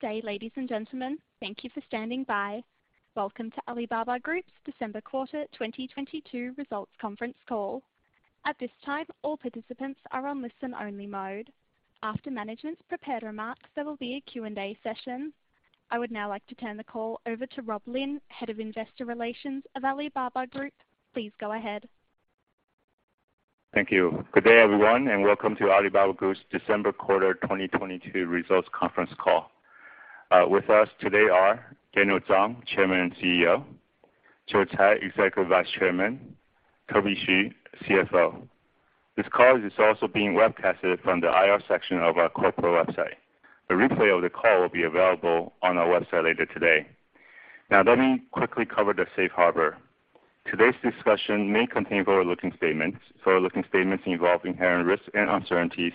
Good day, ladies, and gentlemen. Thank you for standing by. Welcome to Alibaba Group's December Quarter 2022 Results Conference Call. At this time, all participants are on listen only mode. After management's prepared remarks, there will be a Q&A session. I would now like to turn the call over to Rob Lin, Head of Investor Relations of Alibaba Group. Please go ahead. Thank you. Good day, everyone. Welcome to Alibaba Group's December Quarter 2022 Results Conference Call. With us today are Daniel Zhang, Chairman and CEO; Joe Tsai, Executive Vice Chairman; Toby Xu, CFO. This call is also being webcasted from the IR section of our corporate website. A replay of the call will be available on our website later today. Let me quickly cover the safe harbor. Today's discussion may contain forward-looking statements. Forward-looking statements involve inherent risks and uncertainties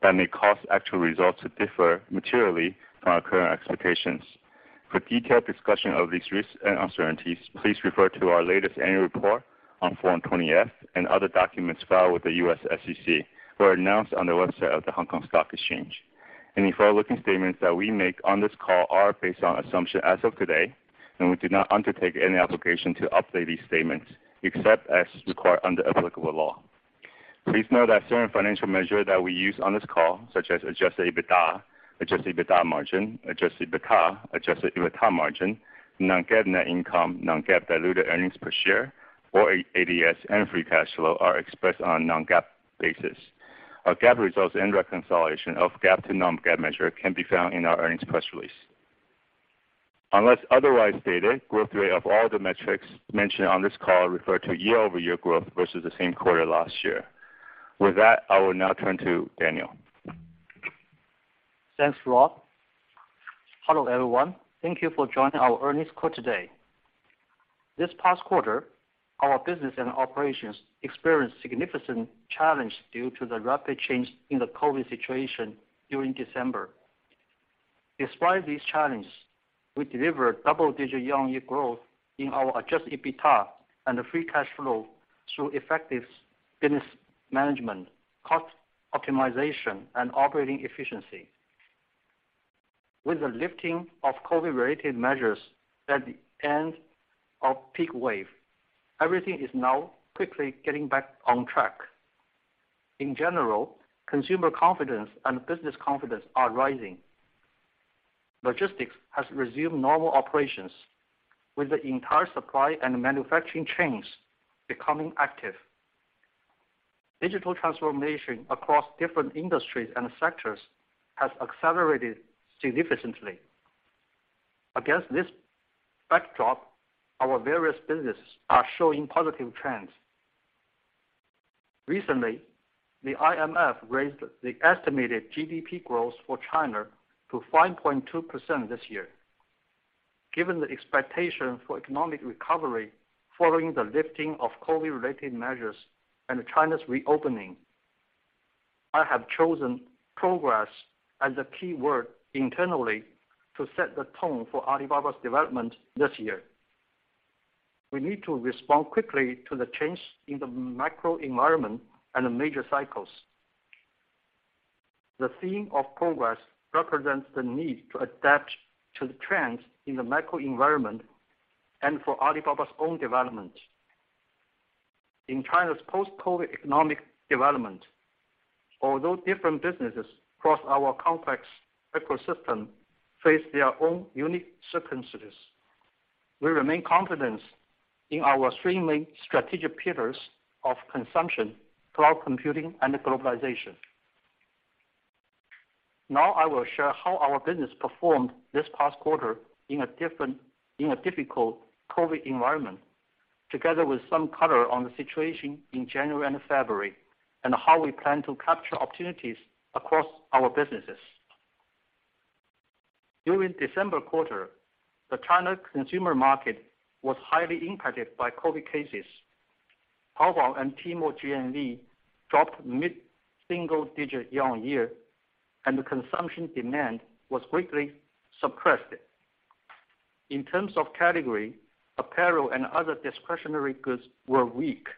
that may cause actual results to differ materially from our current expectations. For detailed discussion of these risks and uncertainties, please refer to our latest annual report on Form 20-F and other documents filed with the U.S. SEC or announced on the website of the Hong Kong Stock Exchange. Any forward-looking statements that we make on this call are based on assumptions as of today, and we do not undertake any obligation to update these statements except as required under applicable law. Please note that certain financial measures that we use on this call, such as Adjusted EBITDA, Adjusted EBITDA margin, non-GAAP net income, non-GAAP diluted earnings per share or ADS and free cash flow are expressed on a non-GAAP basis. Our GAAP results and reconciliation of GAAP to non-GAAP measure can be found in our earnings press release. Unless otherwise stated, growth rate of all the metrics mentioned on this call refer to year-over-year growth versus the same quarter last year. With that, I will now turn to Daniel. Thanks, Rob. Hello, everyone. Thank you for joining our earnings call today. This past quarter, our business and operations experienced significant challenge due to the rapid change in the COVID situation during December. Despite these challenges, we delivered double-digit year-on-year growth in our Adjusted EBITA and free cash flow through effective business management, cost optimization and operating efficiency. With the lifting of COVID-related measures at the end of peak wave, everything is now quickly getting back on track. In general, consumer confidence and business confidence are rising. Logistics has resumed normal operations with the entire supply and manufacturing chains becoming active. Digital transformation across different industries and sectors has accelerated significantly. Against this backdrop, our various businesses are showing positive trends. Recently, the IMF raised the estimated GDP growth for China to 5.2% this year. Given the expectation for economic recovery following the lifting of COVID-related measures and China's reopening, I have chosen progress as a key word internally to set the tone for Alibaba Group's development this year. We need to respond quickly to the change in the macro environment and the major cycles. The theme of progress represents the need to adapt to the trends in the macro environment and for Alibaba Group's own development. In China's post-COVID economic development, although different businesses across our complex ecosystem face their own unique circumstances, we remain confident in our three main strategic pillars of consumption, cloud computing and globalization. Now I will share how our business performed this past quarter in a difficult COVID environment, together with some color on the situation in January and February, and how we plan to capture opportunities across our businesses. During December quarter, the China consumer market was highly impacted by COVID cases. Taobao and Tmall GMV dropped mid-single digit year-on-year, and the consumption demand was quickly suppressed. In terms of category, apparel and other discretionary goods were weak,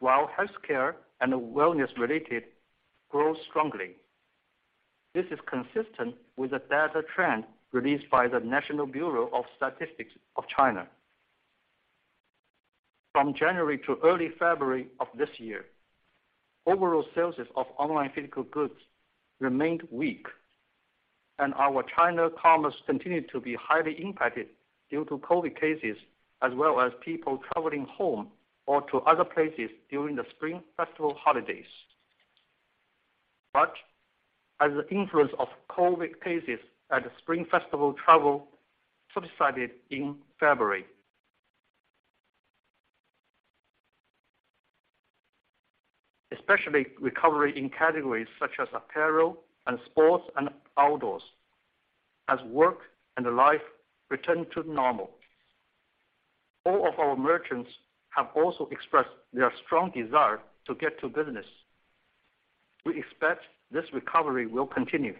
while healthcare and wellness related grew strongly. This is consistent with the data trend released by the National Bureau of Statistics of China. From January to early February of this year, overall sales of online physical goods remained weak, and our China commerce continued to be highly impacted due to COVID cases as well as people traveling home or to other places during the Spring Festival holidays. As the influence of COVID cases and Spring Festival travel subsided in February. Especially recovery in categories such as apparel and sports and outdoors as work and life return to normal. All of our merchants have also expressed their strong desire to get to business. We expect this recovery will continue.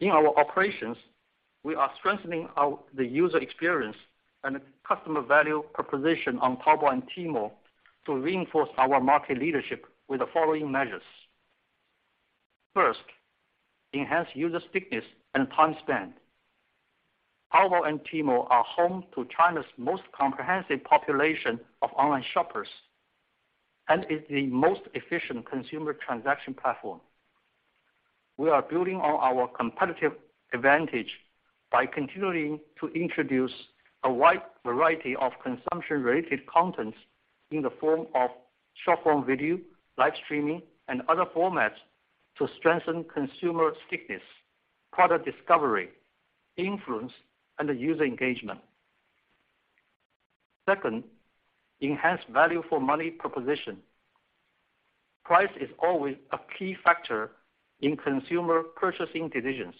We are strengthening our user experience and customer value proposition on Taobao and Tmall to reinforce our market leadership with the following measures. First, enhance user stickiness and time spent. Taobao and Tmall are home to China's most comprehensive population of online shoppers and is the most efficient consumer transaction platform. We are building on our competitive advantage by continuing to introduce a wide variety of consumption-related content in the form of short-form video, live streaming, and other formats to strengthen consumer stickiness, product discovery, influence, and user engagement. Second, enhance value for money proposition. Price is always a key factor in consumer purchasing decisions.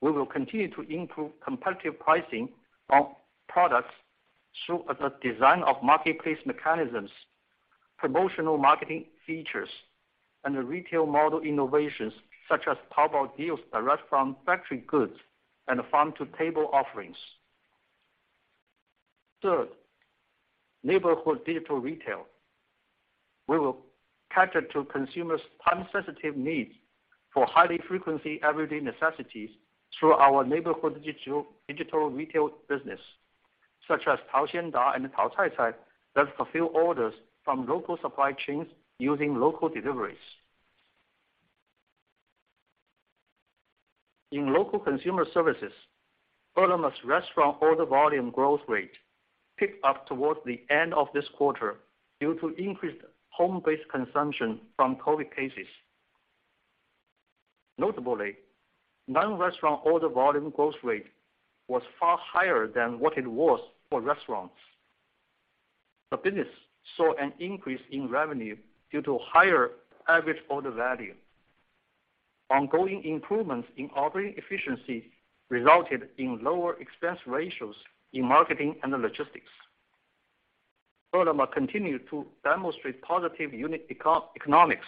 We will continue to improve competitive pricing on products through the design of marketplace mechanisms, promotional marketing features, and the retail model innovations such as Taobao Deals direct from factory goods and farm-to-table offerings. Third, neighborhood digital retail. We will cater to consumers' time-sensitive needs for highly frequency everyday necessities through our neighborhood digital retail business, such as Taoxianda and Taocaicai that fulfill orders from local supply chains using local deliveries. In local consumer services, Ele.me's restaurant order volume growth rate picked up towards the end of this quarter due to increased home-based consumption from COVID cases. Notably, non-restaurant order volume growth rate was far higher than what it was for restaurants. The business saw an increase in revenue due to higher average order value. Ongoing improvements in operating efficiency resulted in lower expense ratios in marketing and the logistics. Ele.me continued to demonstrate positive unit economics,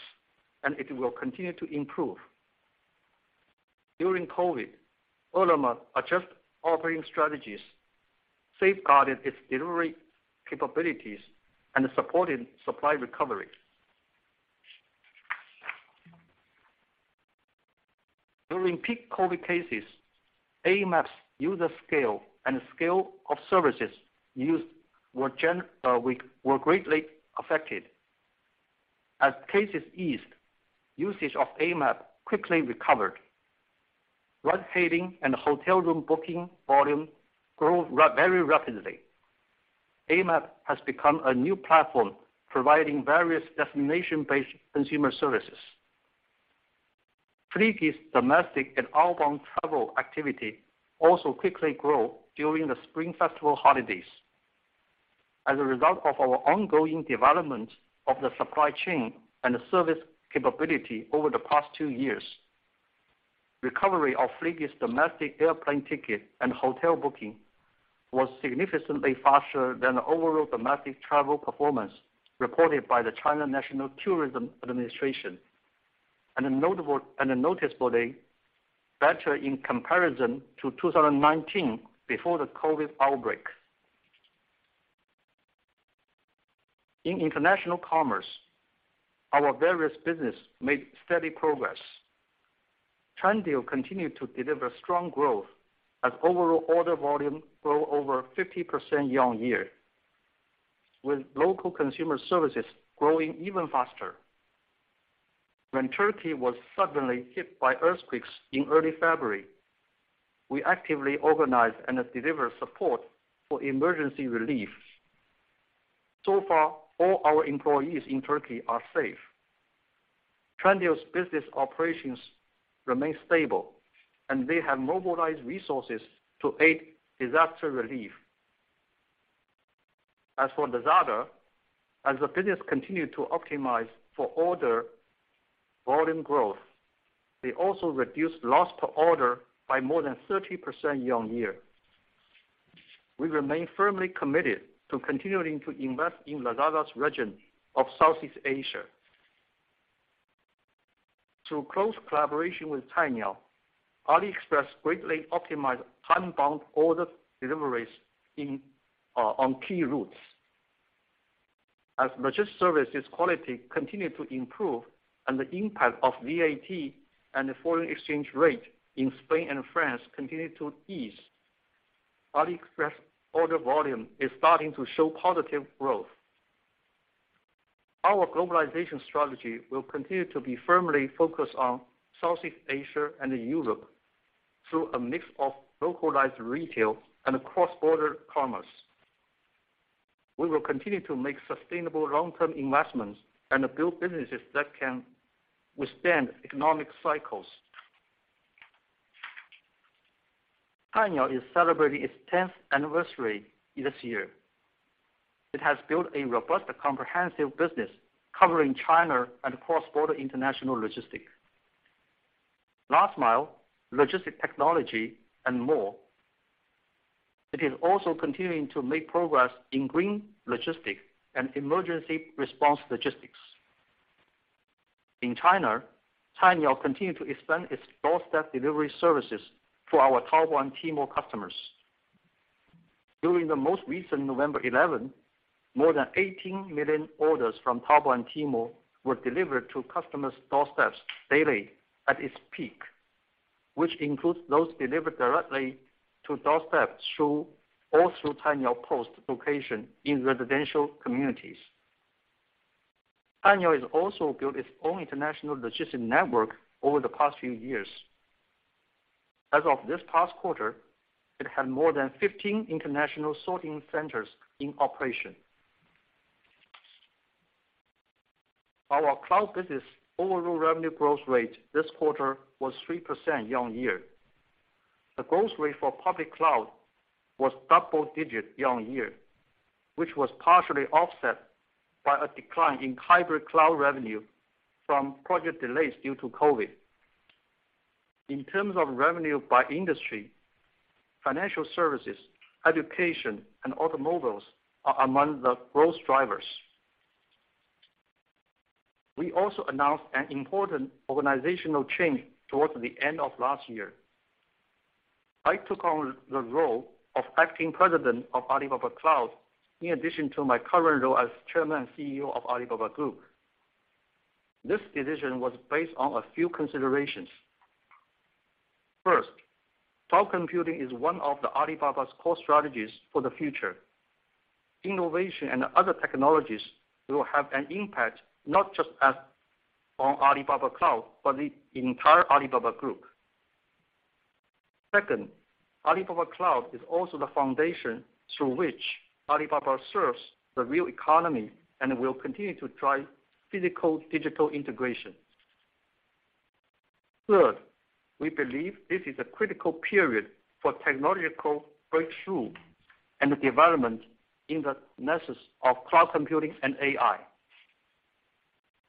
and it will continue to improve. During COVID, Ele.me adjust operating strategies, safeguarded its delivery capabilities, and supported supply recovery. During peak COVID cases, Amap's user scale and scale of services used were greatly affected. As cases eased, usage of Amap quickly recovered. Ride-hailing and hotel room booking volume grow very rapidly. Amap has become a new platform providing various destination-based consumer services. Fliggy's domestic and outbound travel activity also quickly grow during the Spring Festival holidays. As a result of our ongoing development of the supply chain and the service capability over the past two years, recovery of Fliggy's domestic airplane ticket and hotel booking was significantly faster than the overall domestic travel performance reported by the China National Tourism Administration, and a noticeably better in comparison to 2019 before the COVID outbreak. In international commerce, our various business made steady progress. Trendyol continued to deliver strong growth as overall order volume grow over 50% year-on-year, with local consumer services growing even faster. When Turkey was suddenly hit by earthquakes in early February, we actively organized and delivered support for emergency relief. So far, all our employees in Turkey are safe. Trendyol's business operations remain stable, and they have mobilized resources to aid disaster relief. As for Lazada, as the business continued to optimize for order volume growth, they also reduced loss per order by more than 30% year-on-year. We remain firmly committed to continuing to invest in Lazada's region of Southeast Asia. Through close collaboration with Cainiao, AliExpress greatly optimized time-bound order deliveries on key routes. Logistics services quality continued to improve and the impact of VAT and the foreign exchange rate in Spain and France continued to ease, AliExpress order volume is starting to show positive growth. Our globalization strategy will continue to be firmly focused on Southeast Asia and Europe through a mix of localized retail and cross-border commerce. We will continue to make sustainable long-term investments and build businesses that can withstand economic cycles. Cainiao is celebrating its tenth anniversary this year. It has built a robust comprehensive business covering China and cross-border international logistics. Last mile, logistics technology, and more. It is also continuing to make progress in green logistics and emergency response logistics. In China, Cainiao continued to expand its doorstep delivery services to our Taobao and Tmall customers. During the most recent November 11, more than 18 million orders from Taobao and Tmall were delivered to customers' doorsteps daily at its peak, which includes those delivered directly to doorsteps or through Cainiao Post location in residential communities. Cainiao has also built its own international logistics network over the past few years. As of this past quarter, it had more than 15 international sorting centers in operation. Our cloud business overall revenue growth rate this quarter was 3% year-on-year. The growth rate for public cloud was double digits year-on-year, which was partially offset by a decline in hybrid cloud revenue from project delays due to COVID. In terms of revenue by industry, financial services, education, and automobiles are among the growth drivers. We also announced an important organizational change towards the end of last year. I took on the role of acting president of Alibaba Cloud, in addition to my current role as Chairman and CEO of Alibaba Group. This decision was based on a few considerations. First, cloud computing is one of Alibaba's core strategies for the future. Innovation and other technologies will have an impact not just on Alibaba Cloud, but the entire Alibaba Group. Second, Alibaba Cloud is also the foundation through which Alibaba serves the real economy and will continue to drive physical-digital integration. Third, we believe this is a critical period for technological breakthrough and development in the nexus of cloud computing and AI.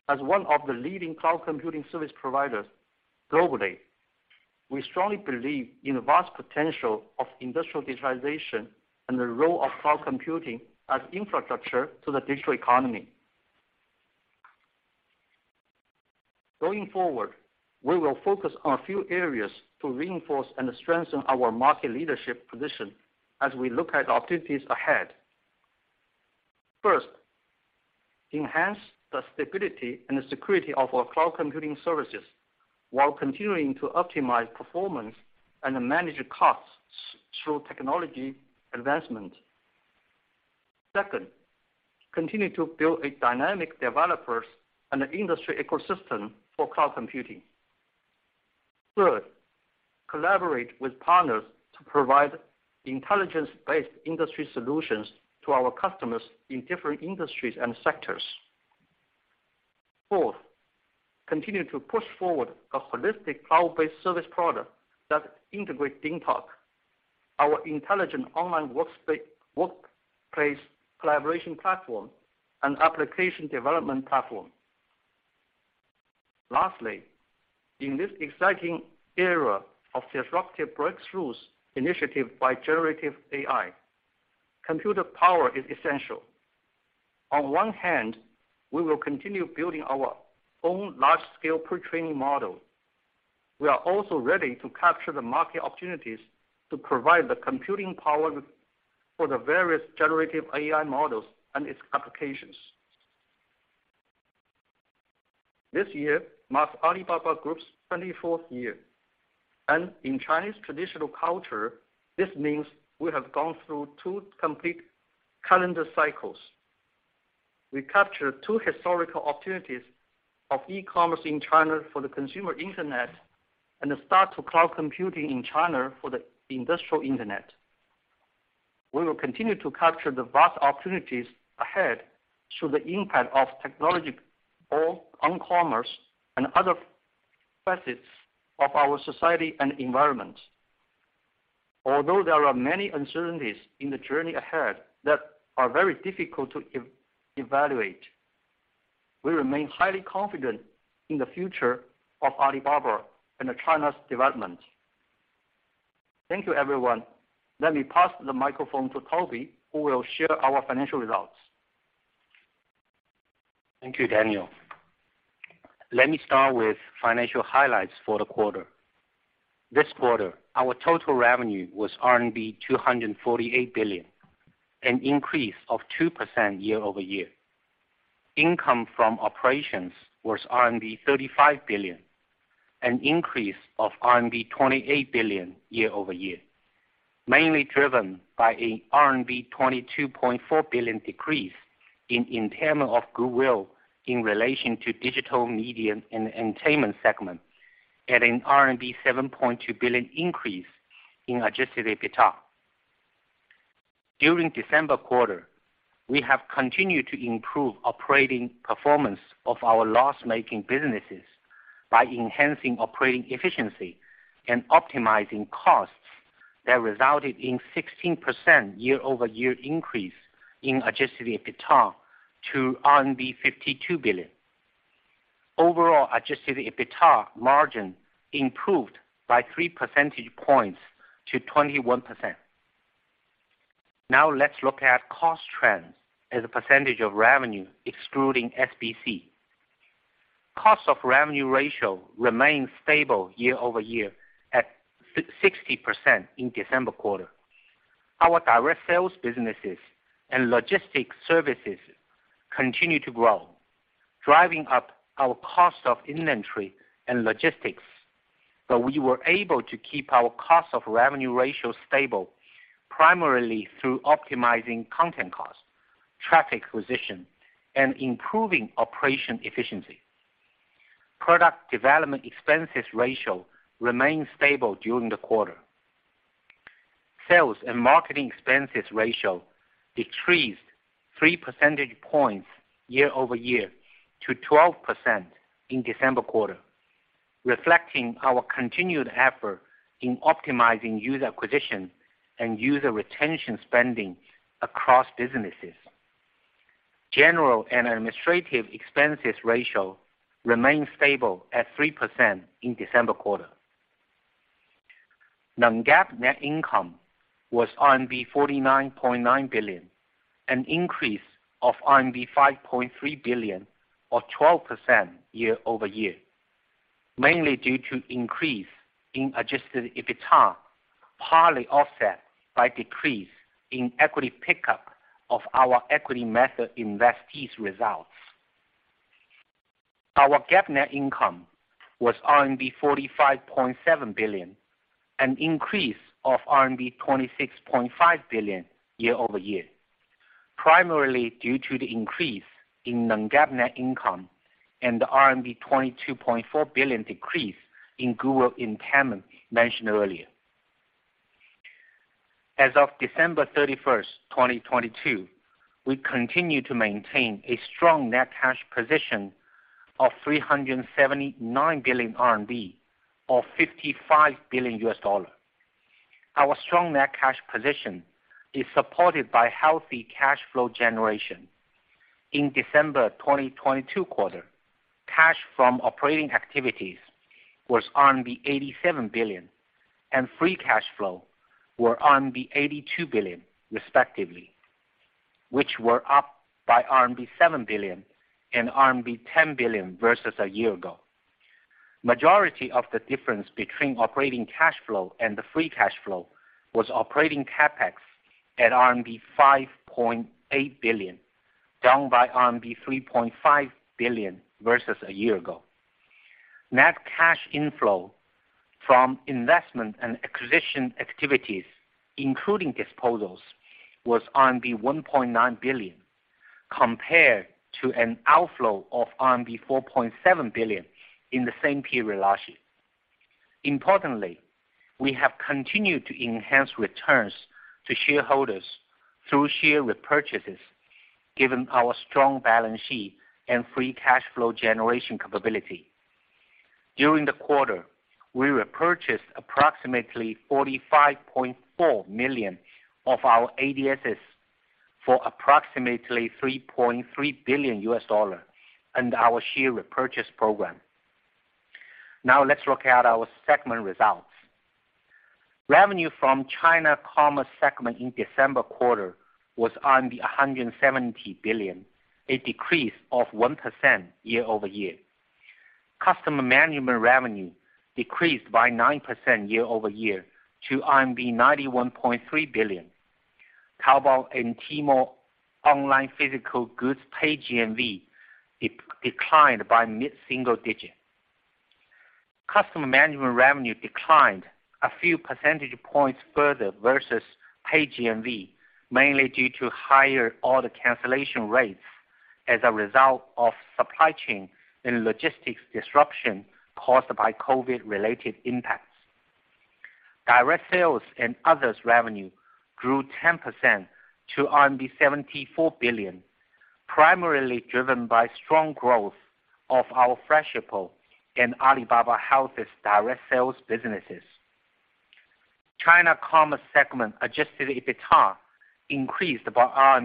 As one of the leading cloud computing service providers globally, we strongly believe in the vast potential of industrial digitization and the role of cloud computing as infrastructure to the digital economy. Going forward, we will focus on a few areas to reinforce and strengthen our market leadership position as we look at opportunities ahead. First, enhance the stability and security of our cloud computing services while continuing to optimize performance and manage costs through technology advancement. Second, continue to build a dynamic developers and an industry ecosystem for cloud computing. Third, collaborate with partners to provide intelligence-based industry solutions to our customers in different industries and sectors. Fourth, continue to push forward a holistic cloud-based service product that integrates DingTalk, our intelligent online workplace collaboration platform and application development platform. Lastly, in this exciting era of disruptive breakthroughs initiative by generative AI, computer power is essential. On one hand, we will continue building our own large-scale pre-training model. We are also ready to capture the market opportunities to provide the computing power for the various generative AI models and its applications. This year marks Alibaba Group's 24th year, and in Chinese traditional culture, this means we have gone through two complete calendar cycles. We captured two historical opportunities of e-commerce in China for the consumer internet and the start to cloud computing in China for the industrial internet. We will continue to capture the vast opportunities ahead through the impact of technology on commerce and other facets of our society and environment. Although there are many uncertainties in the journey ahead that are very difficult to evaluate, we remain highly confident in the future of Alibaba and China's development. Thank you, everyone. Let me pass the microphone to Toby, who will share our financial results. Thank you, Daniel. Let me start with financial highlights for the quarter. This quarter, our total revenue was RMB 248 billion, an increase of 2% year-over-year. Income from operations was RMB 35 billion, an increase of RMB 28 billion year-over-year, mainly driven by a RMB 22.4 billion decrease in impairment of goodwill in relation to digital media and entertainment segment, and an RMB 7.2 billion increase in Adjusted EBITA. During December quarter, we have continued to improve operating performance of our loss-making businesses by enhancing operating efficiency and optimizing costs that resulted in 16% year-over-year increase in Adjusted EBITA to RMB 52 billion. Overall Adjusted EBITA margin improved by three percentage points to 21%. Let's look at cost trends as a percentage of revenue excluding SBC. Cost of revenue ratio remained stable year-over-year at 60% in December quarter. Our direct sales businesses and logistic services continue to grow, driving up our cost of inventory and logistics. We were able to keep our cost of revenue ratio stable primarily through optimizing content costs, traffic acquisition, and improving operation efficiency. Product development expenses ratio remained stable during the quarter. Sales and marketing expenses ratio decreased 3 percentage points year-over-year to 12% in December quarter, reflecting our continued effort in optimizing user acquisition and user retention spending across businesses. General and administrative expenses ratio remained stable at 3% in December quarter. Non-GAAP net income was RMB 49.9 billion, an increase of RMB 5.3 billion or 12% year-over-year, mainly due to increase in Adjusted EBITA, partly offset by decrease in equity pickup of our equity method investees results. Our GAAP net income was RMB 45.7 billion, an increase of RMB 26.5 billion year-over-year, primarily due to the increase in non-GAAP net income and the RMB 22.4 billion decrease in goodwill impairment mentioned earlier. As of December 31st, 2022, we continue to maintain a strong net cash position of 379 billion RMB or $55 billion. Our strong net cash position is supported by healthy cash flow generation. In December 2022 quarter, cash from operating activities was 87 billion, free cash flow were 82 billion respectively, which were up by RMB 7 billion and RMB 10 billion versus a year ago. Majority of the difference between operating cash flow and the free cash flow was operating CapEx at RMB 5.8 billion, down by RMB 3.5 billion versus a year ago. Net cash inflow from investment and acquisition activities, including disposals, was RMB 1.9 billion compared to an outflow of RMB 4.7 billion in the same period last year. Importantly, we have continued to enhance returns to shareholders through share repurchases given our strong balance sheet and free cash flow generation capability. During the quarter, we repurchased approximately 45.4 million of our ADSs for approximately $3.3 billion under our share repurchase program. Let's look at our segment results. Revenue from China commerce segment in December quarter was 170 billion, a decrease of 1% year-over-year. Customer Management Revenue decreased by 9% year-over-year to RMB 91.3 billion. Taobao and Tmall online physical goods paid GMV declined by mid-single digit. Customer Management Revenue declined a few percentage points further versus paid GMV, mainly due to higher order cancellation rates as a result of supply chain and logistics disruption caused by COVID-related impacts. Direct sales and others revenue grew 10% to RMB 74 billion, primarily driven by strong growth of our Freshippo and Alibaba Health's direct sales businesses. China commerce segment Adjusted EBITA increased by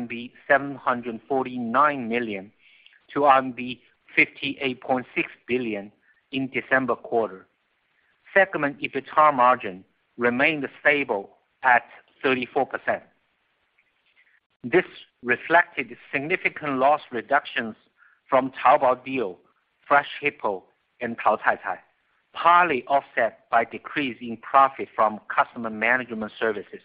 749 million-58.6 billion RMB in December quarter. Segment EBITA margin remained stable at 34%. This reflected significant loss reductions from Taobao Deals, Freshippo and Taocaicai, partly offset by decrease in profit from customer management services.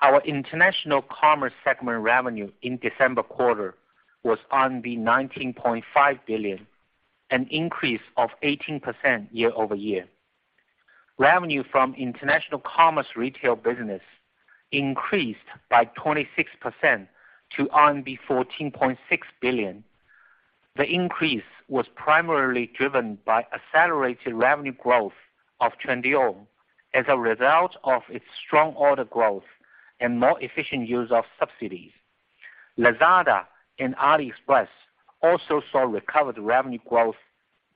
Our international commerce segment revenue in December quarter was 19.5 billion, an increase of 18% year-over-year. Revenue from international commerce retail business increased by 26% to RMB 14.6 billion. The increase was primarily driven by accelerated revenue growth of Trendyol as a result of its strong order growth and more efficient use of subsidies. Lazada and AliExpress also saw recovered revenue growth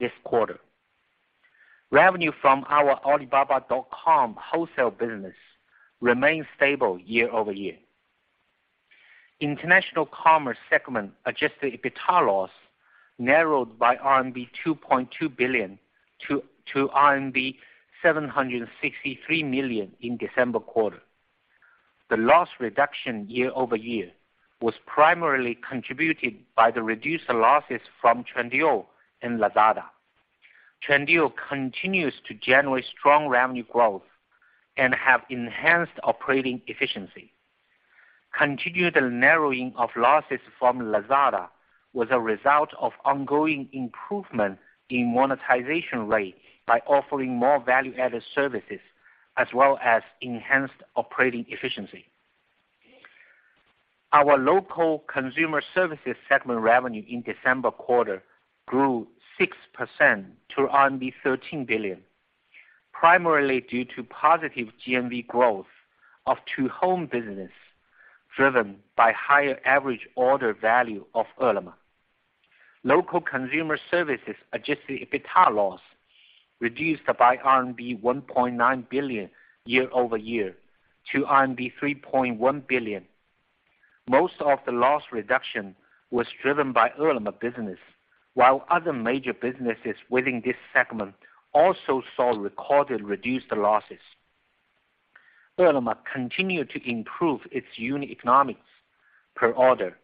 this quarter. Revenue from our Alibaba.com wholesale business remained stable year-over-year. International commerce segment Adjusted EBITA loss narrowed by 2.2 billion-763 million RMB in December quarter. The loss reduction year-over-year was primarily contributed by the reduced losses from Trendyol and Lazada. Trendyol continues to generate strong revenue growth and have enhanced operating efficiency. Continued narrowing of losses from Lazada was a result of ongoing improvement in monetization rate by offering more value-added services as well as enhanced operating efficiency. Our local consumer services segment revenue in December quarter grew 6% to RMB 13 billion, primarily due to positive GMV growth of to-home business, driven by higher average order value of Ele.me. Local consumer services Adjusted EBITA loss reduced by RMB 1.9 billion year-over-year to RMB 3.1 billion. Most of the loss reduction was driven by Hema business, while other major businesses within this segment also saw recorded reduced losses. Hema continued to improve its unit economics per order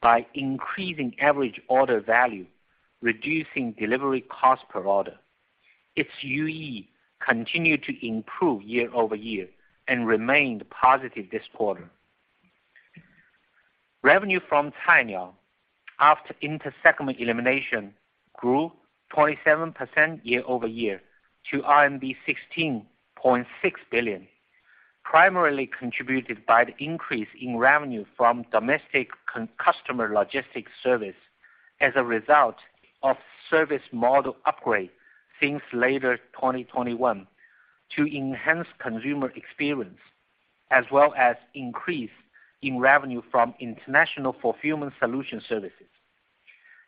by increasing average order value, reducing delivery cost per order. Its UE continued to improve year-over-year and remained positive this quarter. Revenue from Cainiao, after inter-segment elimination, grew 27% year-over-year to RMB 16.6 billion, primarily contributed by the increase in revenue from domestic customer logistics service as a result of service model upgrade since later 2021 to enhance consumer experience as well as increase in revenue from international fulfillment solution services.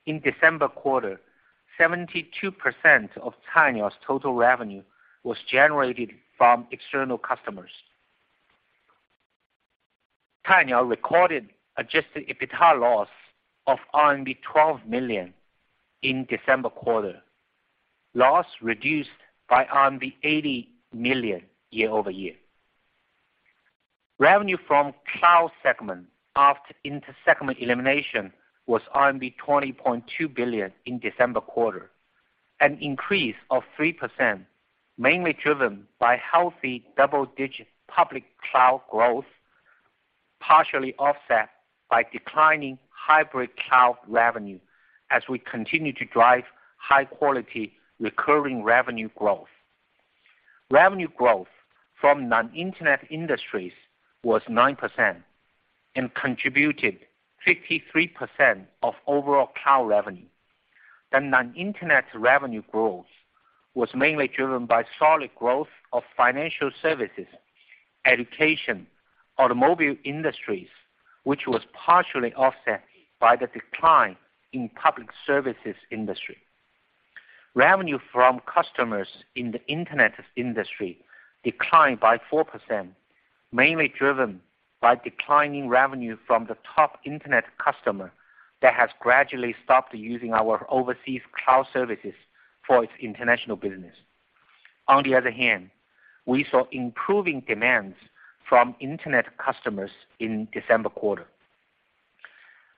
In December quarter, 72% of Cainiao's total revenue was generated from external customers. Cainiao recorded Adjusted EBITA loss of RMB 12 million in December quarter. Loss reduced by RMB 80 million year-over-year. Revenue from Cloud segment after inter-segment elimination was RMB 20.2 billion in December quarter, an increase of 3%, mainly driven by healthy double-digit public cloud growth, partially offset by declining hybrid cloud revenue as we continue to drive high quality recurring revenue growth. Revenue growth from non-internet industries was 9% and contributed 53% of overall Cloud revenue. The non-internet revenue growth was mainly driven by solid growth of financial services, education, automobile industries, which was partially offset by the decline in public services industry. Revenue from customers in the internet industry declined by 4%, mainly driven by declining revenue from the top internet customer that has gradually stopped using our overseas Cloud services for its international business. On the other hand, we saw improving demands from internet customers in December quarter.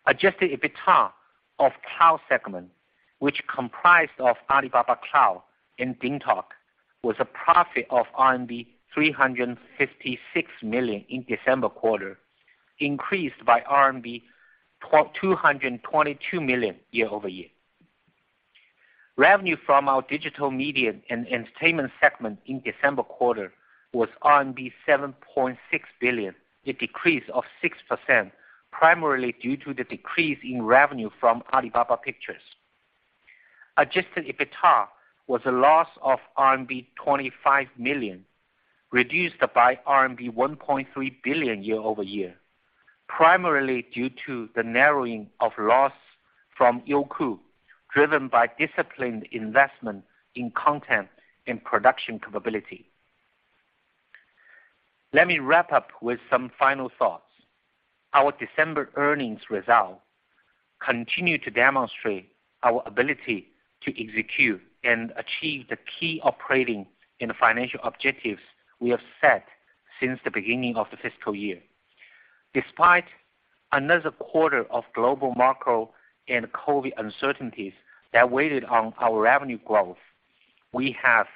Adjusted EBITDA of cloud segment, which comprised of Alibaba Cloud and DingTalk, was a profit of RMB 356 million in December quarter, increased by RMB 222 million year-over-year. Revenue from our digital media and entertainment segment in December quarter was RMB 7.6 billion, a decrease of 6%, primarily due to the decrease in revenue from Alibaba Pictures. Adjusted EBITDA was a loss of RMB 25 million, reduced by RMB 1.3 billion year-over-year, primarily due to the narrowing of loss from Youku, driven by disciplined investment in content and production capability. Let me wrap up with some final thoughts. Our December earnings result continue to demonstrate our ability to execute and achieve the key operating and financial objectives we have set since the beginning of the fiscal year. Despite another quarter of global macro and COVID uncertainties that weighed on our revenue growth, we have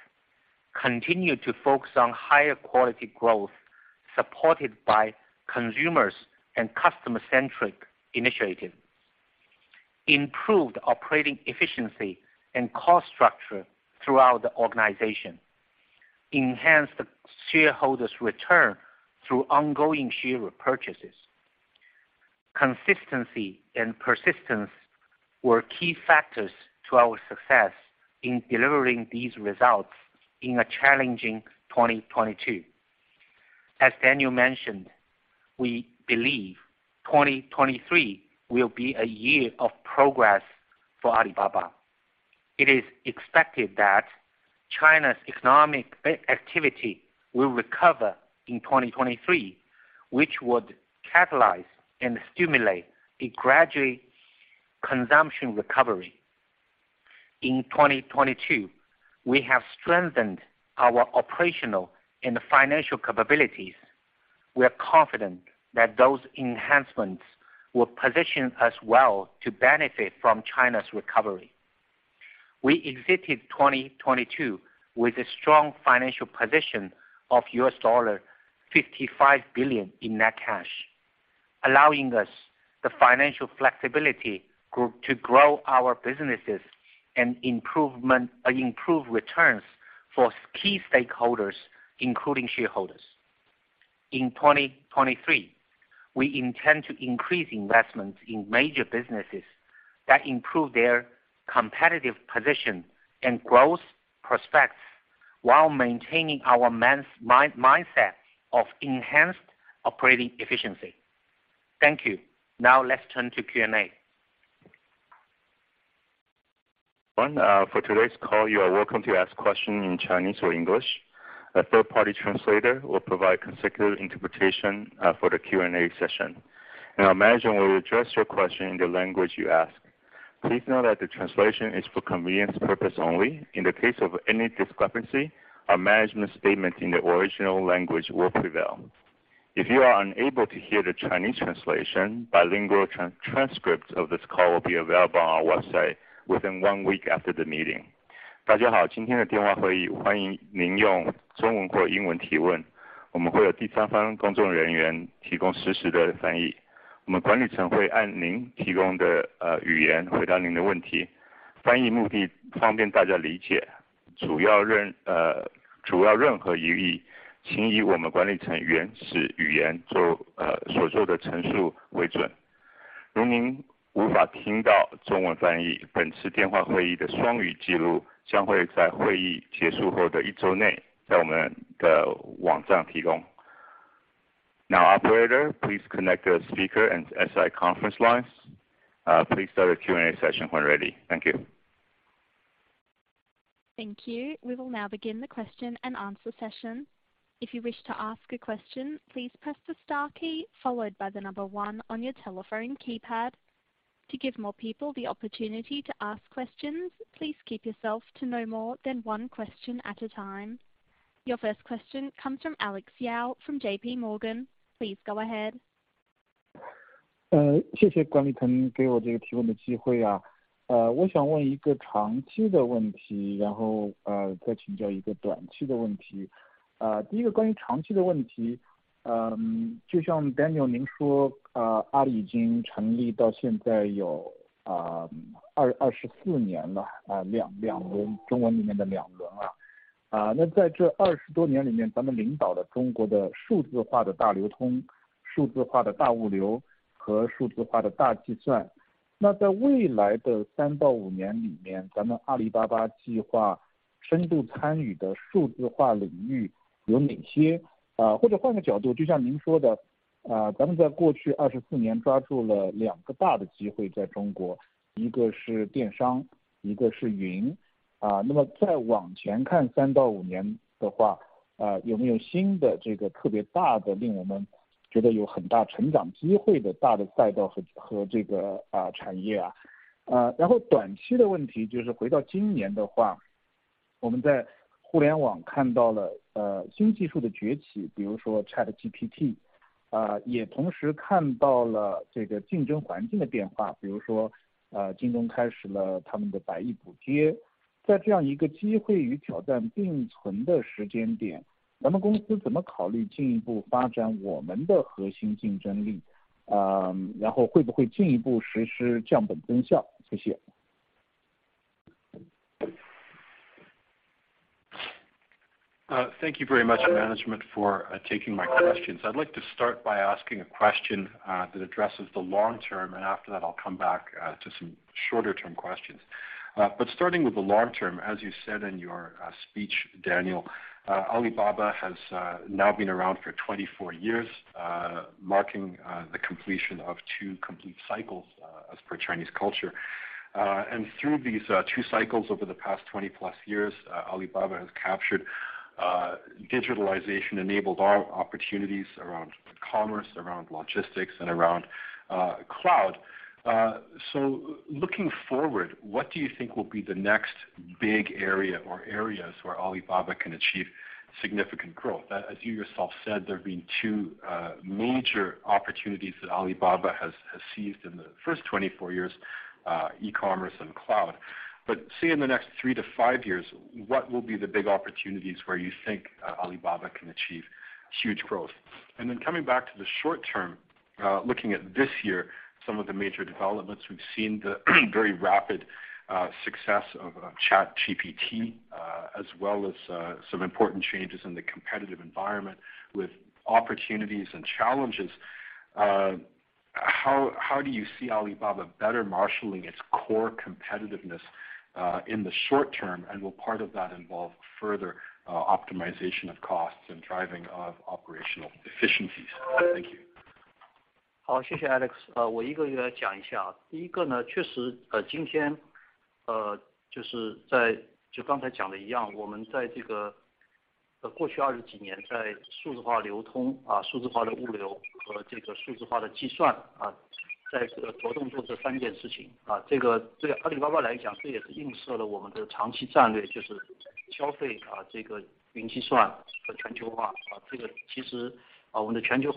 continued to focus on higher quality growth supported by consumers and customer-centric initiatives, improved operating efficiency and cost structure throughout the organization, enhanced shareholders return through ongoing share repurchases. Consistency and persistence were key factors to our success in delivering these results in a challenging 2022. As Daniel mentioned, we believe 2023 will be a year of progress for Alibaba. It is expected that China's economic activity will recover in 2023, which would catalyze and stimulate a gradual consumption recovery. In 2022, we have strengthened our operational and financial capabilities. We are confident that those enhancements will position us well to benefit from China's recovery. We exited 2022 with a strong financial position of $55 billion in net cash, allowing us the financial flexibility to grow our businesses and improve returns for key stakeholders, including shareholders. In 2023, we intend to increase investments in major businesses that improve their competitive position and growth prospects while maintaining our mindset of enhanced operating efficiency. Thank you. Now let's turn to Q&A. One, for today's call, you are welcome to ask questions in Chinese or English. A third-party translator will provide consecutive interpretation for the Q&A session. Our management will address your question in the language you ask. Please note that the translation is for convenience purpose only. In the case of any discrepancy, our management statement in the original language will prevail. If you are unable to hear the Chinese translation, bilingual transcripts of this call will be available on our website within one week after the meeting. Now, operator, please connect the speaker and SI conference lines. Please start the Q&A session when ready. Thank you. Thank you. We will now begin the question and answer session. If you wish to ask a question, please press the star key followed by the number one on your telephone keypad. To give more people the opportunity to ask questions, please keep yourself to no more than one question at a time. Your first question comes from Alex Yao from JPMorgan. Please go ahead. Uh. Thank you very much management for taking my questions. I'd like to start by asking a question that addresses the long term, and after that I'll come back to some shorter term questions. Starting with the long term, as you said in your speech, Daniel, Alibaba has now been around for 24 years, marking the completion of two complete cycles as per Chinese culture. Through these two cycles over the past 20+ years, Alibaba has captured digitalization enabled opportunities around commerce, around logistics, and around cloud. Looking forward, what do you think will be the next big area or areas where Alibaba can achieve significant growth? As you yourself said, there have been two major opportunities that Alibaba has seized in the first 24 years, e-commerce and cloud. Say in the next three to five years, what will be the big opportunities where you think Alibaba can achieve huge growth? Coming back to the short term, looking at this year, some of the major developments, we've seen the very rapid success of ChatGPT, as well as some important changes in the competitive environment with opportunities and challenges. How do you see Alibaba better marshaling its core competitiveness in the short term, and will part of that involve further optimization of costs and driving of operational efficiencies? Thank you. Thank you,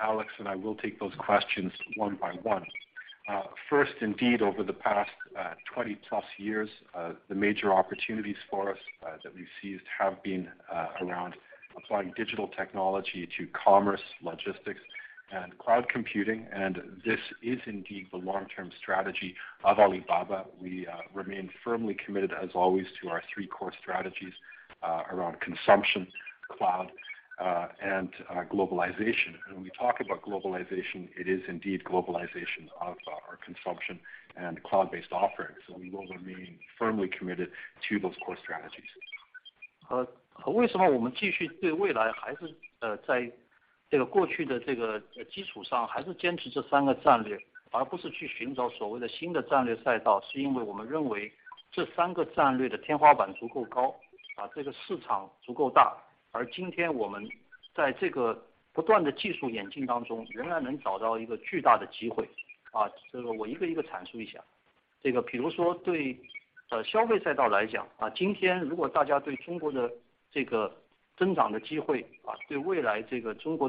Alex. I will take those questions one by one. First, indeed, over the past 20+ years, the major opportunities for us that we've seized have been around applying digital technology to commerce, logistics and cloud computing. This is indeed the long-term strategy of Alibaba. We remain firmly committed, as always to our three core strategies around consumption, cloud, and globalization. When we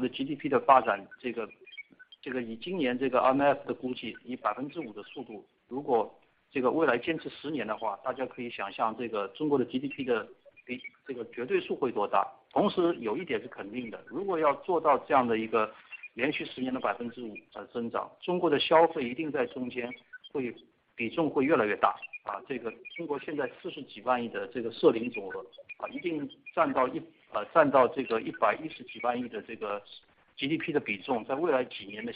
talk about globalization, it is indeed globalization of our consumption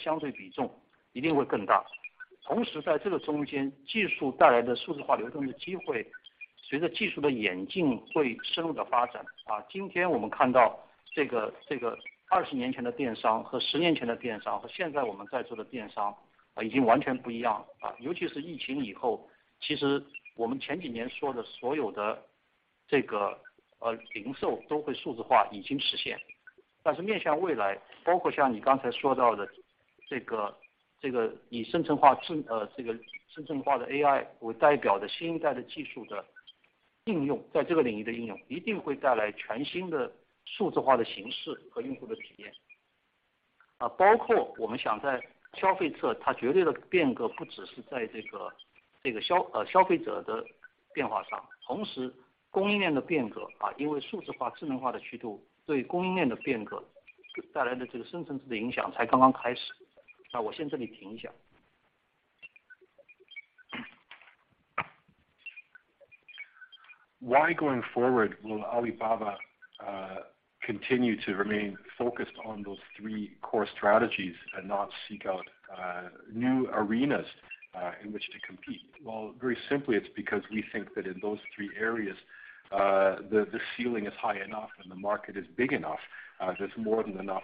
and cloud-based offerings. We will remain firmly committed to those core strategies. Why going forward, will Alibaba continue to remain focused on those three core strategies and not seek out new arenas in which to compete? Very simply, it's because we think that in those three areas, the ceiling is high enough and the market is big enough. There's more than enough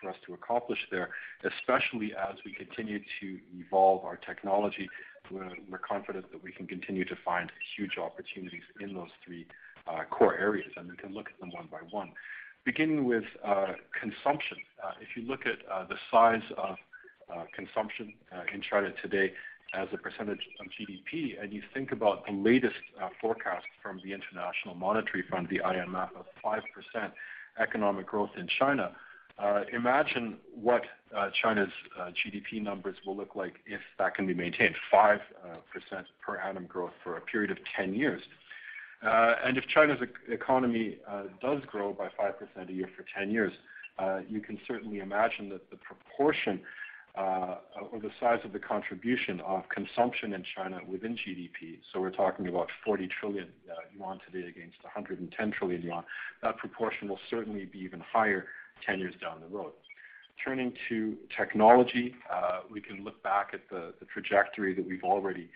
for us to accomplish there, especially as we continue to evolve our technology. We're confident that we can continue to find huge opportunities in those three core areas, and we can look at them one by one. Beginning with consumption. If you look at the size of consumption in China today as a percentage of GDP, you think about the latest forecast from the International Monetary Fund, the IMF, of 5% economic growth in China, imagine what China's GDP numbers will look like if that can be maintained. 5% per annum growth for a period of 10 years. If China's economy does grow by 5% a year for 10 years, you can certainly imagine that the proportion or the size of the contribution of consumption in China within GDP. We're talking about 40 trillion yuan today against 110 trillion yuan. That proportion will certainly be even higher 10 years down the road. Turning to technology, we can look back at the trajectory that we've already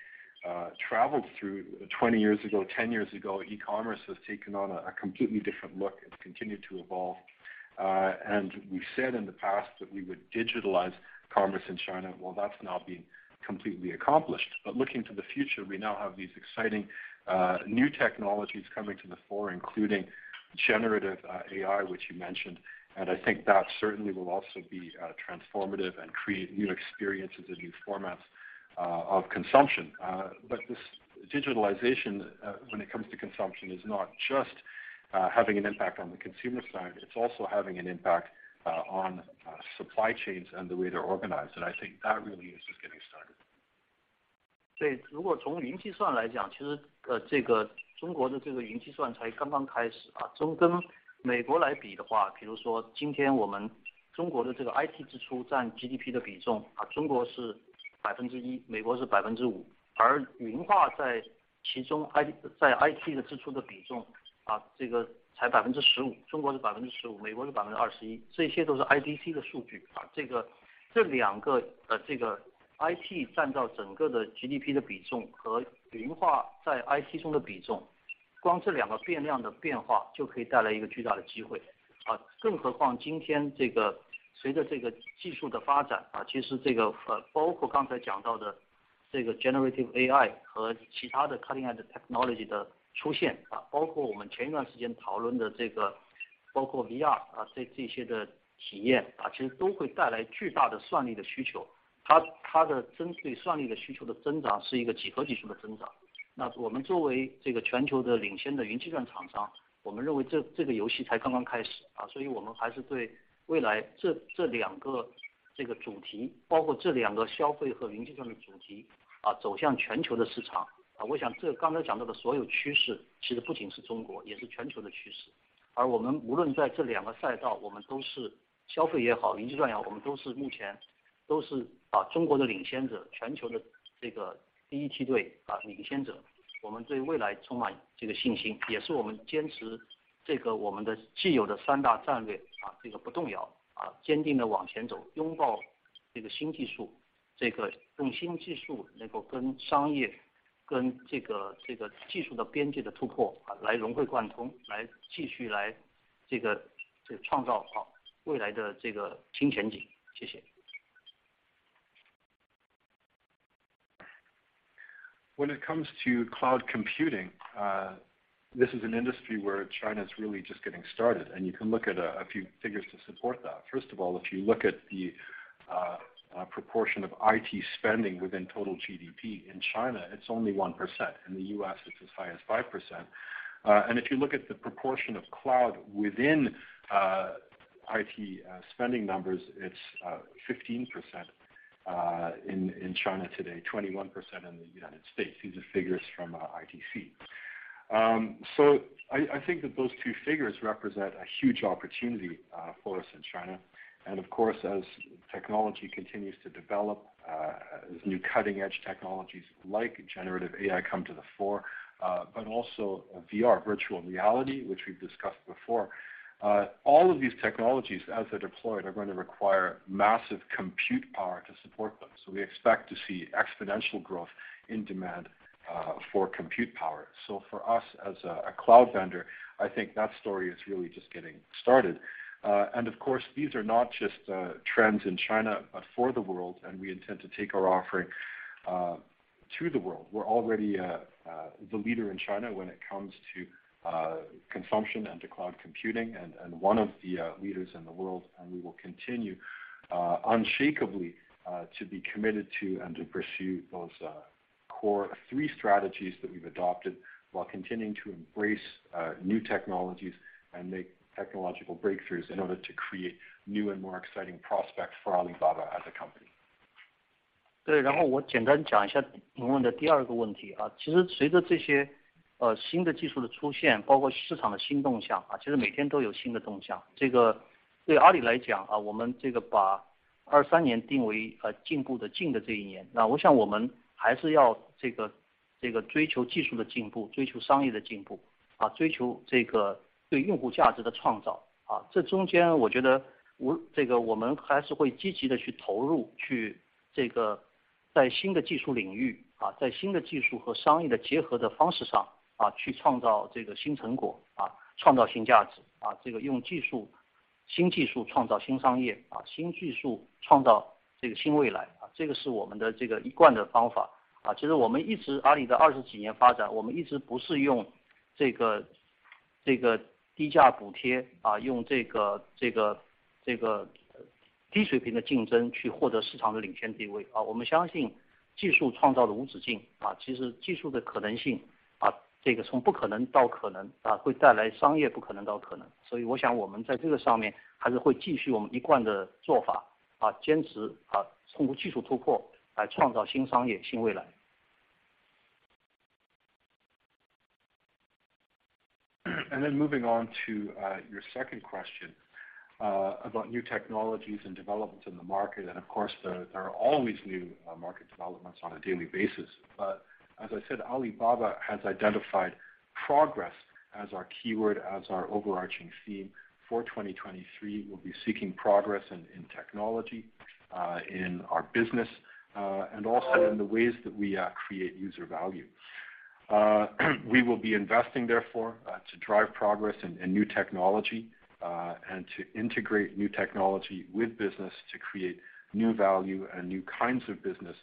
traveled through. 20 years ago, 10 years ago, e-commerce has taken on a completely different look. It's continued to evolve. We've said in the past that we would digitalize commerce in China. Well, that's now been completely accomplished. Looking to the future, we now have these exciting new technologies coming to the fore, including generative AI, which you mentioned. I think that certainly will also be transformative and create new experiences and new formats of consumption. This digitalization, when it comes to consumption, is not just having an impact on the consumer side, it's also having an impact on supply chains and the way they're organized. I think that really is just getting started. 其中 I 在 IT 的支出的比 重， 这个才 15%， 中国是 15%， 美国是 21%， 这些都是 IDC 的数据。这个这两个的这个 IT 占到整个的 GDP 的比重和云化在 IT 中的比 重， 光这两个变量的变化就可以带来一个巨大的机 会， 更何况今天这个随着这个技术的发 展， 其实这个包括刚才讲到的这个 generative AI 和其他的 cutting edge technology 的出 现， 包括我们前一段时间讨论的这个包括 VR 这些的体 验， 其实都会带来巨大的算力的需 求， 它的针对算力的需求的增长是一个几何级数的增长。我们作为这个全球的领先的云计算厂 商， 我们认为这个游戏才刚刚开 始， 所以我们还是对未来这两个这个主 题， 包括这两个消费和云计算的主 题， 走向全球的市场。我想这刚才讲到的所有趋 势， 其实不仅是中 国， 也是全球的趋势。我们无论在这两个赛 道， 我们都是消费也 好， 云计算也 好， 我们都是目前都是中国的领先 者， 全球的这个第一梯 队， 领先 者， 我们对未来充满这个信 心， 也是我们坚持这个我们的既有的三大战 略， 这个不动 摇， 坚定地往前 走， 拥抱这个新技 术， 这个跟新技术能够跟商业跟这个技术的边界的突 破， 来融会贯 通， 来继续来这个创造未来的这个新前景。谢谢。When it comes to cloud computing, this is an industry where China's really just getting started, and you can look at a few figures to support that. First of all, if you look at the proportion of IT spending within total GDP in China, it's only 1%. In the U.S., it's as high as 5%. If you look at the proportion of cloud within IT spending numbers, it's 15% in China today, 21% in the United States. These are figures from IDC. I think that those two figures represent a huge opportunity for us in China. Of course, as technology continues to develop, as new cutting edge technologies like generative AI come to the fore, but also VR virtual reality, which we've discussed before. All of these technologies as they're deployed are going to require massive compute power to support them. We expect to see exponential growth in demand for compute power. For us as a cloud vendor, I think that story is really just getting started. Of course, these are not just trends in China, but for the world. We intend to take our offering to the world. We're already the leader in China when it comes to consumption and to cloud computing and one of the leaders in the world. We will continue unshakably to be committed to and to pursue those core three strategies that we've adopted while continuing to embrace new technologies and make technological breakthroughs in order to create new and more exciting prospects for Alibaba as a company. 对. 我简单讲一下您问的第二个问 题, 其实随着这些新的技术的出 现, 包括市场的新动 向, 其实每天都有新的动 向. 这个对 Alibaba 来 讲, 我们这个把二三年定为进步的进的这一 年, 那我想我们还是要这个追求技术的进 步, 追求商业的进 步, 追求这个对用户价值的创 造. 这中间我觉得 无, 这个我们还是会积极地去投 入, 去这个在新的技术领 域, 在新的技术和商业的结合的方式 上, 去创造这个新成 果, 创造新价 值, 这个用技 术, 新技术创造新商 业, 新技术创造这个新未 来, 这个是我们的这个一贯的方 法. 其实我们一直 Alibaba 的二十几年发 展, 我们一直不是用这个低价补 贴, 用这个低水平 moving on to your second question about new technologies and developments in the market. Of course, there are always new market developments on a daily basis. As I said, Alibaba has identified progress as our keyword, as our overarching theme for 2023. We'll be seeking progress in technology, in our business, and also in the ways that we create user value. We will be investing therefore to drive progress and new technology and to integrate new technology with business to create new value and new kinds of business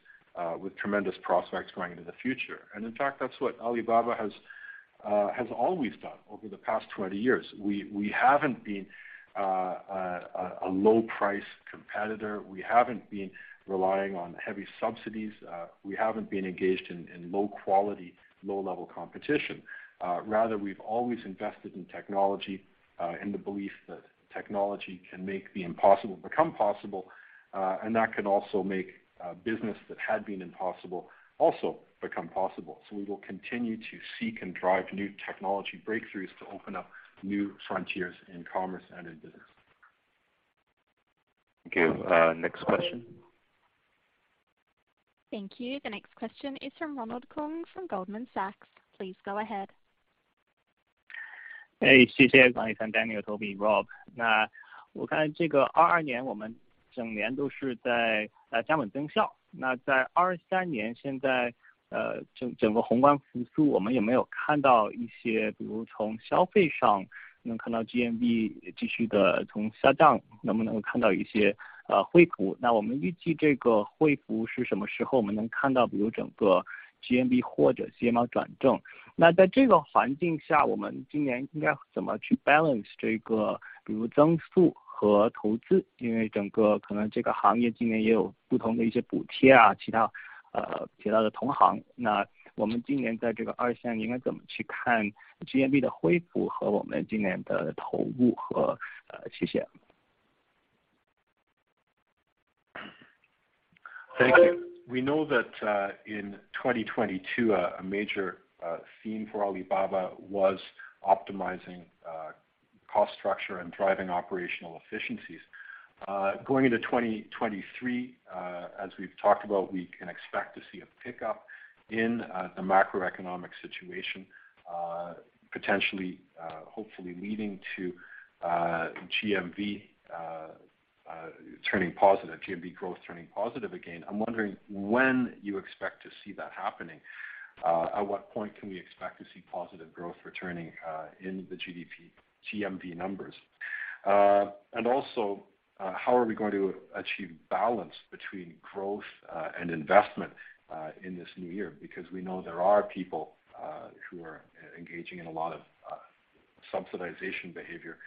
with tremendous prospects going into the future. In fact, that's what Alibaba has always done over the past 20 years. We haven't been a low price competitor. We haven't been relying on heavy subsidies. We haven't been engaged in low quality, low level competition. Rather, we've always invested in technology, in the belief that technology can make the impossible become possible. That can also make, business that had been impossible also become possible. We will continue to seek and drive new technology breakthroughs to open up new frontiers in commerce and in business. Thank you, next question. Thank you. The next question is from Ronald Keung from Goldman Sachs. Please go ahead. 谢谢. Alibaba, Daniel, Toby, Rob. 我看这个2022年我们整年都是在加稳增效。在2023年现在整个宏观复 苏， 我们有没有看到一 些， 比如从消费上能看到 GMV 继续的从下 降， 能不能看到一些恢复？我们预计这个恢复是什么时候我们能看 到， 比如整个 GMV 或者 CMR 转 正？ 在这个环境 下， 我们今年应该怎么去 balance 这 个， 比如增速和投 资， 因为整个可能这个行业今年也有不同的一些补贴 啊， 其他的同 行？ 我们今年在这个二线应该怎么去看 GMV 的恢复和我们今年的投入 和？ 谢谢. Thank you. We know that in 2022, a major theme for Alibaba was optimizing cost structure and driving operational efficiencies. Going into 2023. As we've talked about, we can expect to see a pick up in the macroeconomic situation, potentially, hopefully leading to GMV, turning positive GMV growth turning positive again. I'm wondering when you expect to see that happening. At what point can we expect to see positive growth returning in the GDP, GMV numbers? How are we going to achieve balance between growth and investment in this new year? We know there are people who are engaging in a lot of subsidization behavior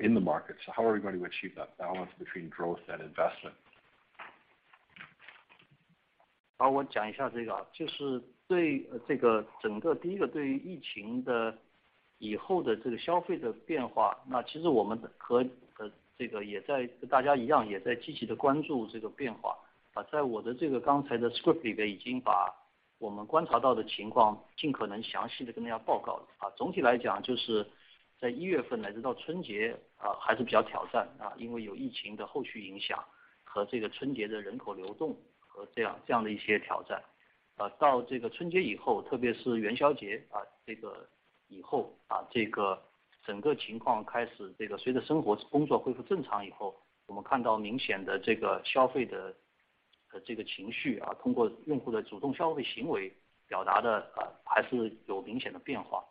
in the market. How are we going to achieve that balance between growth and investment? 好， 我讲一下这个。就是对这个整个第一个对于疫情的以后的这个消费的变 化， 其实我们和这个也在跟大家一 样， 也在积极地关注这个变化。在我的这个刚才的 script 里 边， 已经把我们观察到的情况尽可能详细地跟大家报告。总体来讲就是在一月份乃至到 Spring Festival， 还是比较挑 战， 因为有疫情的后续影响和这个 Spring Festival 的人口流动和这样的一些挑战。到这个 Spring Festival 以 后， 特别是 Lantern Festival 这个以 后， 这个整个情况开始这个随着生活工作恢复正常以 后， 我们看到明显的这个消费的这个情 绪， 通过用户的主动消费行为表达 的， 还是有明显的变化。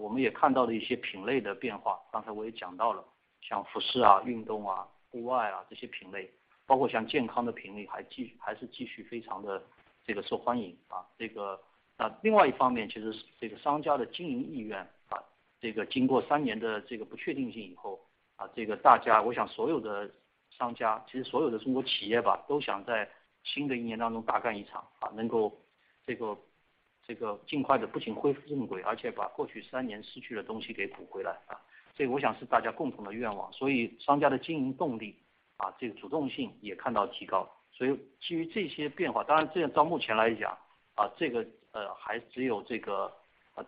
我们也看到了一些品类的变 化， 刚才我也讲到 了， 像服 饰， 运 动， 户外这些品 类， 包括像健康的品 类， 还是继续非常的这个受欢迎。这个。另外一方 面， 其实这个商家的经营意 愿， 这个经过三年的这个不确定性以 后， 这个大 家， 我想所有的商 家， 其实所有的中国企业 吧， 都想在新的一年当中大干一 场， 能够这个尽快地不仅恢复正 轨， 而且把过去三年失去的东西给补回来。这个我想是大家共同的愿 望， 商家的经营动 力， 这个主动性也看到提高。基于这些变 化， 当然这到目前来 讲， 这个还只有这个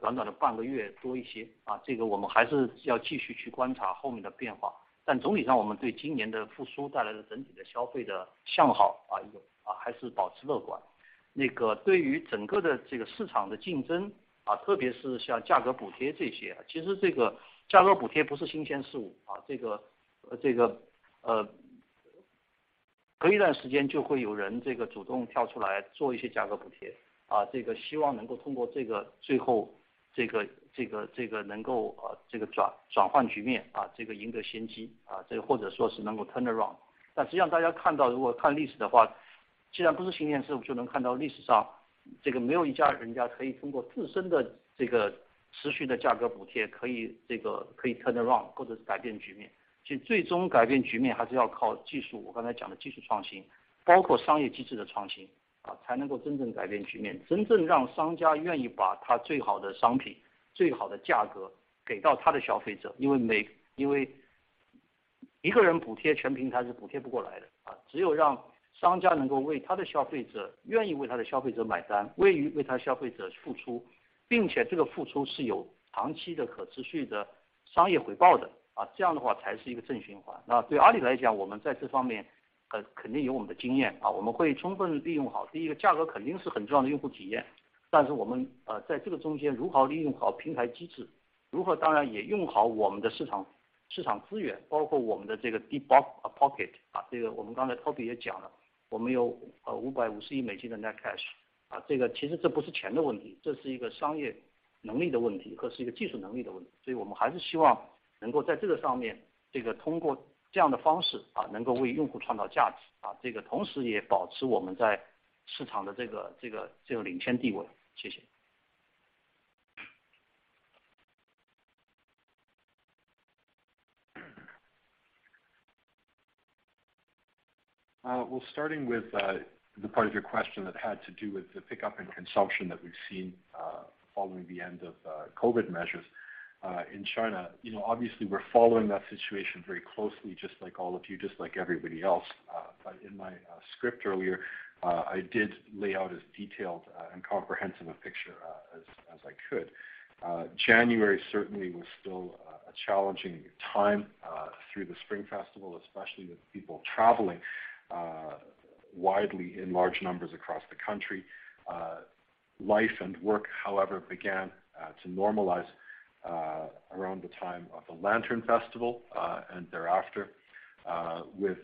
短短的半个月多一 些， 这个我们还是要继续去观察后面的变 化， 但总体上我们对今年的复苏带来的整体的消费的向 好， 还是保持乐观。对于整个的这个市场的竞 争， 特别是像价格补贴这 些， 其实这个价格补贴不是新鲜事 物， 隔一段时间就会有人这个主动跳出来做一些价格补 贴， 希望能够通过这 个， 最后这个能够转换局 面， 赢得先 机， 或者说是能够 turn around。但实际上大家看 到， 如果看历史的 话， 既然不是新鲜 事， 我们就能看到历史上这个没有一家人家可以通过自身的这个持续的价格补贴可以 turn around 或者是改变局 面， 其实最终改变局面还是要靠技术。我刚才讲的技术创 新， 包括商业机制的创 新， 才能够真正改变局 面， 真正让商家愿意把他最好的商 品， 最好的价格给到他的消费者。因为一个人补贴全平台是贴不过来 的， 只有让商家能够为他的消费 者， 愿意为他的消费者买 单， 愿意为他的消费者付 出， 并且这个付出是有长期的可持续的商业回报 的， 这样的话才是一个正循环。对 Alibaba 来 讲， 我们在这方面肯定有我们的经 验， 我们会充分利用好。第一个价格肯定是很重要的用户体 验， 但是我们在这个中间如何利用好平台机 制， 如何当然也用好我们的市 场， 市场资 源， 包括我们的这个 deep pocket， 这个我们刚才 Toby Xu 也讲了，我们有 $55 billion 的 net cash， 这个其实这不是钱的问 题， 这是一个商业能力的问 题， 和一个技术能力的问题。我们还是希望能够在这个上 面， 这个通过这样的方式能够为用户创造价 值， 这个同时也保持我们在市场的这个领先地位。谢谢。Well, starting with the part of your question that had to do with the pickup and consumption that we've seen following the end of COVID measures in China. You know, obviously we're following that situation very closely just like all of you, just like everybody else did lay out as detailed and comprehensive a picture as I could. January certainly was still a challenging time through the Spring Festival, especially with people traveling widely in large numbers across the country. Life and work, however, began to normalize around the time of the Lantern Festival and thereafter, with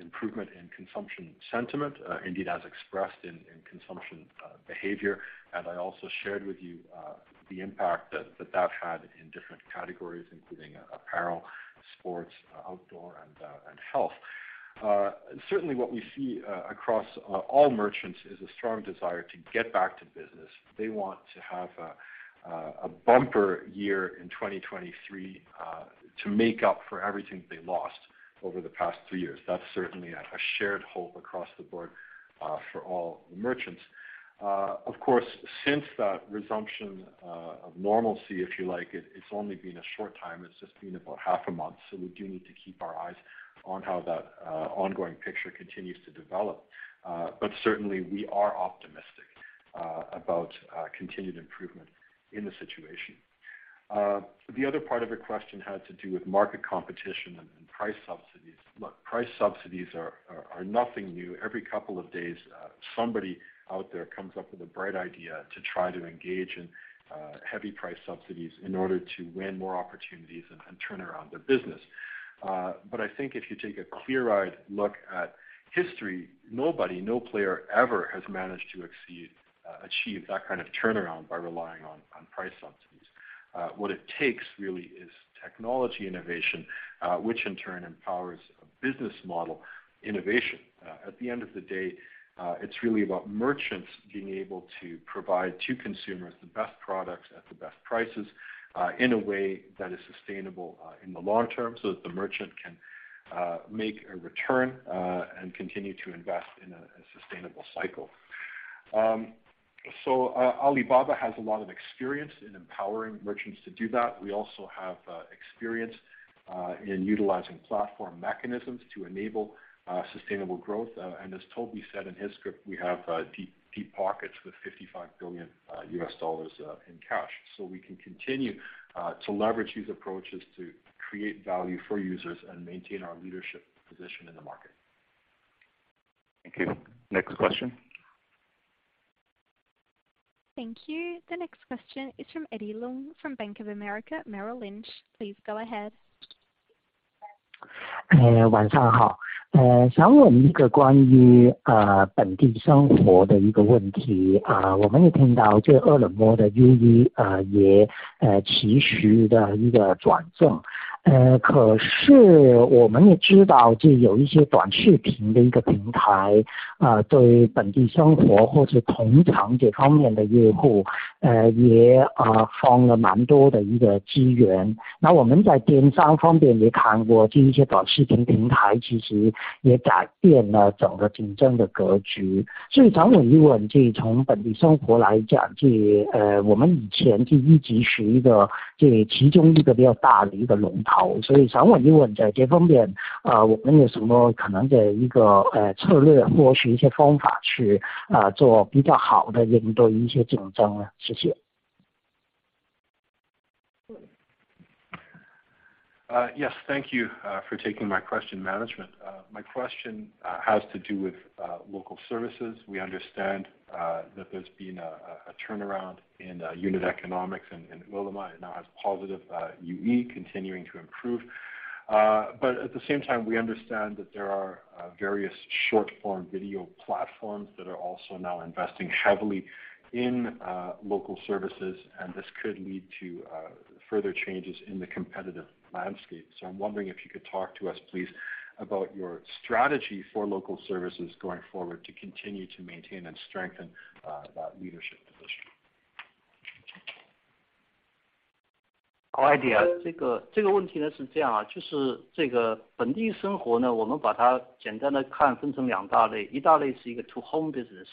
improvement in consumption sentiment indeed as expressed in consumption behavior. I also shared with you the impact that had in different categories, including apparel, sports, outdoor and health. Certainly what we see across all merchants is a strong desire to get back to business. They want to have a bumper year in 2023 to make up for everything they lost over the past two years. That's certainly a shared hope across the board for all merchants. Of course, since that resumption of normalcy, if you like it's only been a short time. It's just been about half a month. We do need to keep our eyes on how that ongoing picture continues to develop. Certainly we are optimistic about continued improvement in the situation. The other part of your question had to do with market competition and price subsidies. Look, price subsidies are nothing new. Every couple of days, somebody out there comes up with a bright idea to try to engage in heavy price subsidies in order to win more opportunities and turn around their business. I think if you take a clear eyed look at history, nobody, no player ever has managed to achieve that kind of turnaround by relying on price subsidies. What it takes really is technology innovation, which in turn empowers business model innovation. At the end of the day, it's really about merchants being able to provide to consumers the best products at the best prices in a way that is sustainable in the long term, so that the merchant can make a return and continue to invest in a sustainable cycle. Alibaba has a lot of experience in empowering merchants to do that. We also have experience in utilizing platform mechanisms to enable sustainable growth. As Toby said in his script, we have deep, deep pockets with $55 billion in cash, so we can continue to leverage these approaches to create value for users and maintain our leadership position in the market. Thank you. Next question. Thank you. The next question is from Eddie Leung from Bank of America Merrill Lynch. Please go ahead. 晚上好。想问一个关于本地生活的一个问题。我们听到这 Ele.me 的 UE 也其实的一个转正。可是我们也知道这有一些短视频的一个平台对本地生活或者同城这方面的用户也放了蛮多的一个资源。那我们在电商方面也看 过， 这一些短视频平台其实也改变了整个竞争的格局。所以想问一 问， 这从本地生活来 讲， 我们以前第一其实一个这其中一个比较大的一个龙头。所以想问一 问， 在这方 面， 我们有什么可能的一个策略或是一些方法去做比较好的应对一些竞争 呢？ 谢谢。Yes, thank you for taking my question, management. My question has to do with local services. We understand that there's been a turnaround in unit economics and Ele.me now has positive UE continuing to improve. At the same time, we understand that there are various short form video platforms that are also now investing heavily in local services, and this could lead to further changes in the competitive landscape. I'm wondering if you could talk to us, please, about your strategy for local services going forward to continue to maintain and strengthen that leadership position. 好 idea。这个问题呢是这 样， 就是这个本地生活 呢， 我们把它简单地看分成两大 类， 一大类是一个 to-home business，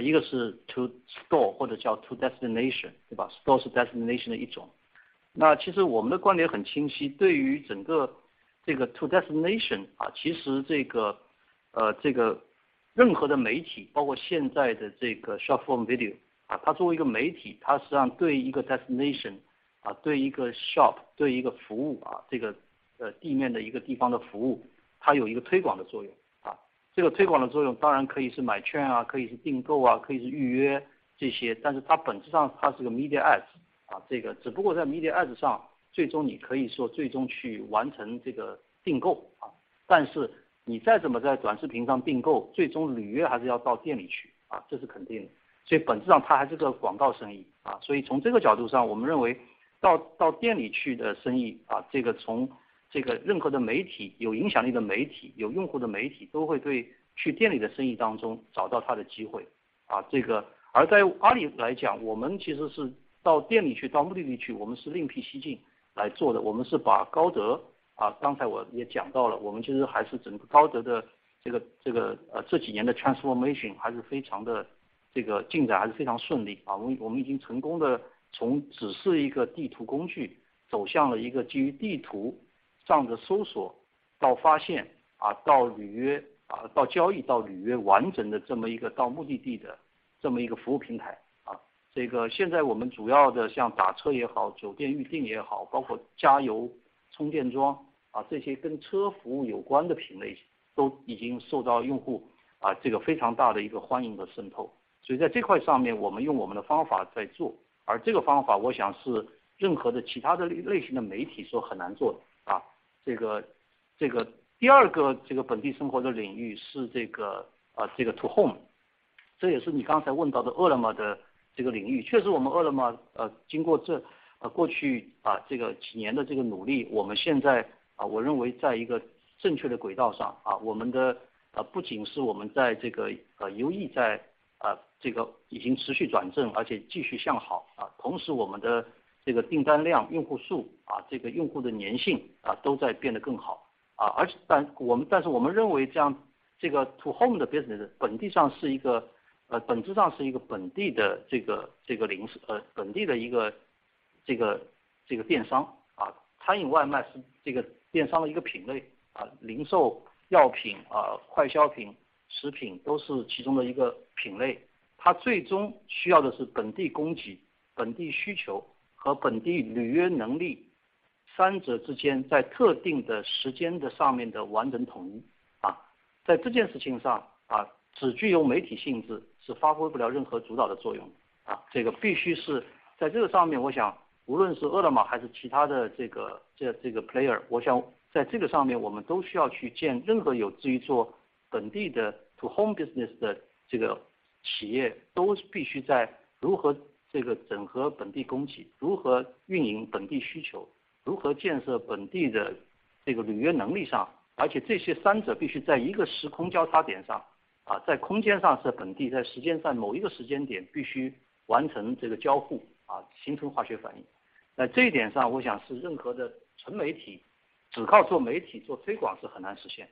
一个是 to store 或者叫 to destination， 对吧 ？Store 是 destination 的一种。其实我们的观点很清 晰， 对于整个这个 to destination， 其实这个任何的媒 体， 包括现在的这个 short form video， 它作为一个媒 体， 它实际上对一个 destination， 对一个 shop， 对一个服 务， 这个地面的一个地方的服 务， 它有一个推广的作用。这个推广的作用当然可以是买 券， 可以是订 购， 可以是预约这 些， 但是它本质上它是个 media ads， 这个只不过在 media ads 上，最终你可以说最终去完成这个订购。你再怎么在短视频上订 购， 最终履约还是要到店里 去， 这是肯定的。本质上它还是个广告生意。从这个角度 上， 我们认为到店里去的生 意， 这个从这个任何的媒 体， 有影响力的媒 体， 有用户的媒 体， 都会对去店里的生意当中找到它的机会。这个而在阿里来 讲， 我们其实是到店里 去， 到目的地 去， 我们是另辟蹊径来做的。我们是把 Amap， 刚才我也讲到 了， 我们其实还是整个 Amap 的这个几年的 transformation 还是非常进展还是非常顺利。我们已经成功地从只是一个地图工 具， 走向了一个基于地图上的搜索到发 现， 到预 约， 到交 易， 到预约完整的这么一个到目的地的这么一个服务平台。这个现在我们主要的像打车也 好， 酒店预定也 好， 包括加油充电 桩， 这些跟车服务有关的品类都已经受到用户这个非常大的一个欢迎和渗透。在这块上 面， 我们用我们的方法在 做， 而这个方法我想是任何的其他类型的媒体是很难做的。这个第二个这个本地生活的领域是这个 to-home， 这也是你刚才问到的 Ele.me 的这个领域。确实我们 Ele.me 经过这过去这个几年的这个努 力， 我们现 在， 我认为在一个正确的轨道 上， 我们的不仅是我们在这个 UE 在已经持续转 正， 而且继续向好。同时我们的这个订单量、用户 数， 这个用户的粘 性， 都在变得更好。但是我们认为这样这个 to-home 的 business 本地上是一个本质上是一个本地的这个零食本地的一个这个电商。餐饮外卖是这个电商的一个品 类， 零售、药品、快消品、食品都是其中的一个品类。它最终需要的是本地供给、本地需求和本地履约能力三者之间在特定的时间的上面的完整统一。在这件事情 上， 只具有媒体性质，是发挥不了任何主导的作用。这个必须是在这个上 面， 我想无论是 Ele.me 还是其他的这个 player， 我想在这个上面我们都需要去建任何有志于做本地的 to-home business 的这个企 业， 都必须在如何这个整合本地供 给， 如何运营本地需 求， 如何建设本地的这个履约能力上。这些三者必须在一个时空交叉点上，在空间上是本 地， 在时间上某一个时间点必须完成这个交 互， 形成化学反应。在这一点 上， 我想是任何的纯媒体只靠做媒体做推广是很难实现。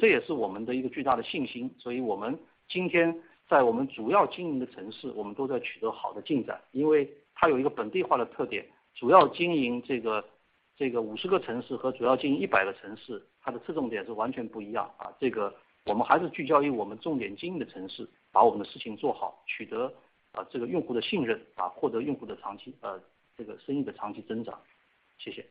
这也是我们的一个巨大的信心。我们今天在我们主要经营的城 市， 我们都在取得好的进展。因为它有一个本地化的特 点， 主要经营这个50个城市和主要经营100个城 市， 它的侧重点是完全不一 样， 这个我们还是聚焦于我们重点经营的城 市， 把我们的事情做 好， 取得这个用户的信 任， 获得用户的长期这个生意的长期增长。谢谢。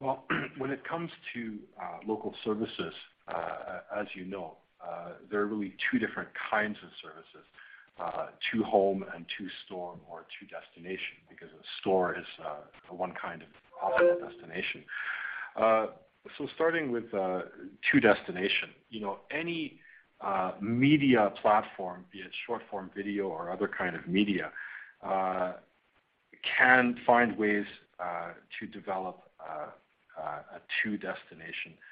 Well, when it comes to local services, as you know, there are really two different kinds of services, to home and to store or to destination, because a store is one kind of possible destination. Starting with to destination. You know, any media platform, be it short-form video or other kind of media, can find ways to develop a to-destination business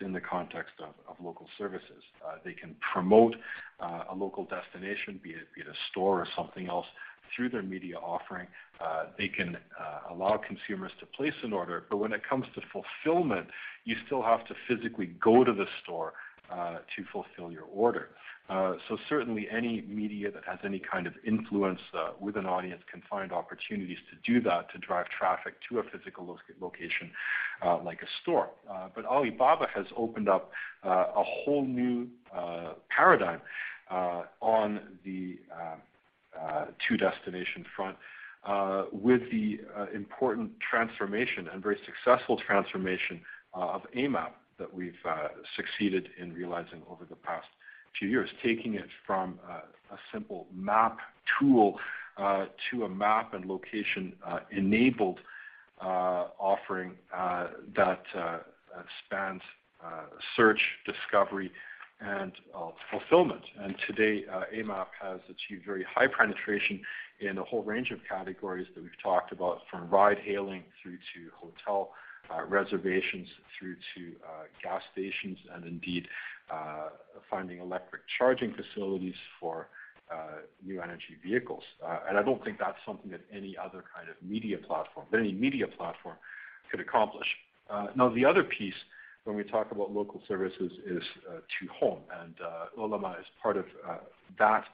in the context of local services. They can promote a local destination, be it a store or something else, through their media offering. They can allow consumers to place an order, but when it comes to fulfillment, you still have to physically go to the store to fulfill your order. Certainly any media that has any kind of influence with an audience can find opportunities to do that, to drive traffic to a physical location, like a store. Alibaba has opened up a whole new paradigm on the to-destination front with the important transformation and very successful transformation of Amap that we've succeeded in realizing over the past few years, taking it from a simple map tool to a map and location enabled offering that spans search, discovery, and fulfillment. Today, Amap has achieved very high penetration in a whole range of categories that we've talked about from ride hailing through to hotel reservations through to gas stations and indeed, finding electric charging facilities for new energy vehicles. I don't think that's something that any other kind of media platform, any media platform could accomplish. Now the other piece when we talk about local services is to home, Ele.me is part of that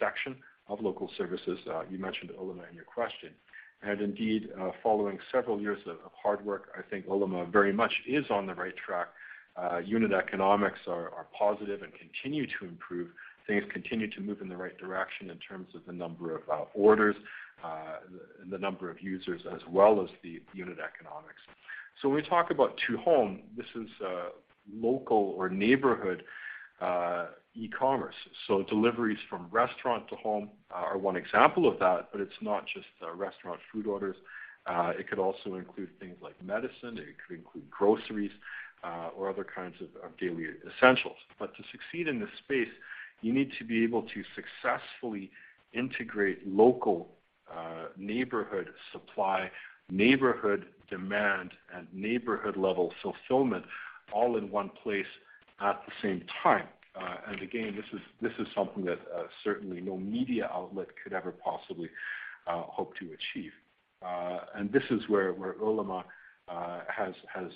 section of local services. You mentioned Ele.me in your question. Indeed, following several years of hard work, I think Ele.me very much is on the right track. Unit economics are positive and continue to improve. Things continue to move in the right direction in terms of the number of orders, the number of users, as well as the unit economics. When we talk about to home, this is local or neighborhood e-commerce. Deliveries from restaurant to home are one example of that, but it's not just restaurant food orders. It could also include things like medicine, it could include groceries, or other kinds of daily essentials. To succeed in this space, you need to be able to successfully integrate local, neighborhood supply, neighborhood demand, and neighborhood-level fulfillment all in one place at the same time. Again, this is something that, certainly no media outlet could ever possibly hope to achieve. This is where Ele.me has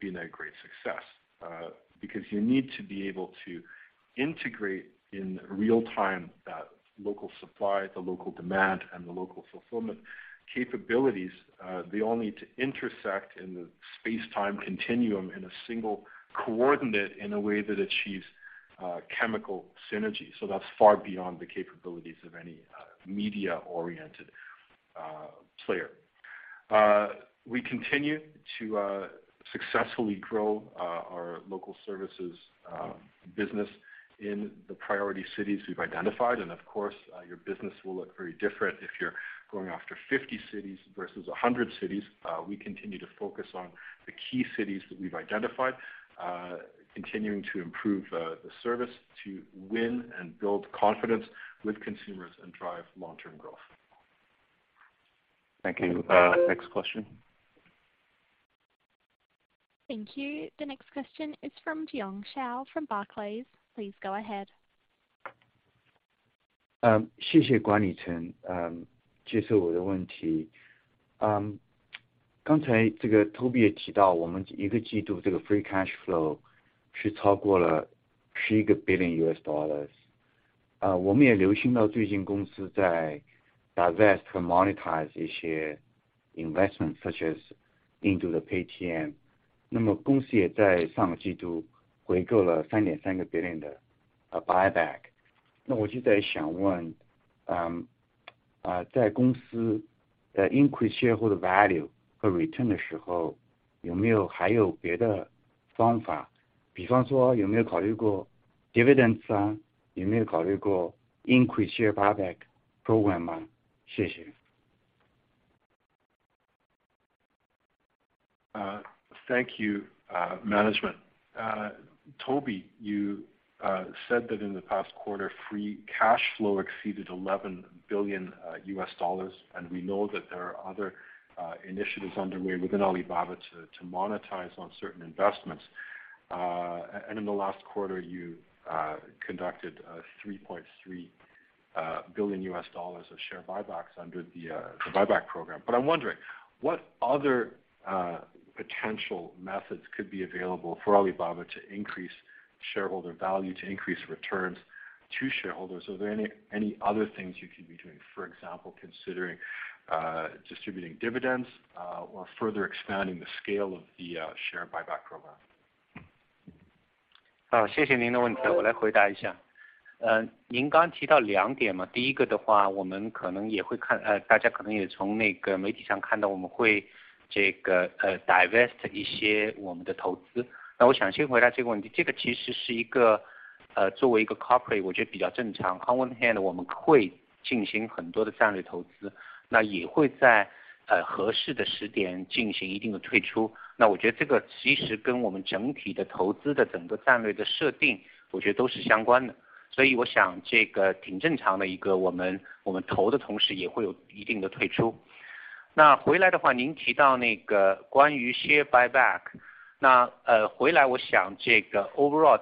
been a great success. You need to be able to integrate in real time that local supply, the local demand, and the local fulfillment capabilities. They all need to intersect in the space-time continuum in a single coordinate in a way that achieves, chemical synergy. That's far beyond the capabilities of any, media-oriented, player. We continue to successfully grow our local services business in the priority cities we've identified. Of course, your business will look very different if you're going after 50 cities versus 100 cities. We continue to focus on the key cities that we've identified, continuing to improve the service to win and build confidence with consumers and drive long-term growth. Thank you. Next question. Thank you. The next question is from Jiong Shao from Barclays. Please go ahead. invest such as into the Paytm. buyback. dividends. increase share buyback program. Thank you, management. Toby, you said that in the past quarter, free cash flow exceeded $11 billion. We know that there are other initiatives underway within Alibaba to monetize on certain investments. In the last quarter, you conducted $3.3 billion of share buybacks under the buyback program. I'm wondering, what other potential methods could be available for Alibaba to increase shareholder value, to increase returns to shareholders? Are there any other things you could be doing? For example, considering distributing dividends or further expanding the scale of the share buyback program. divest invest corporate invest exit share buyback overall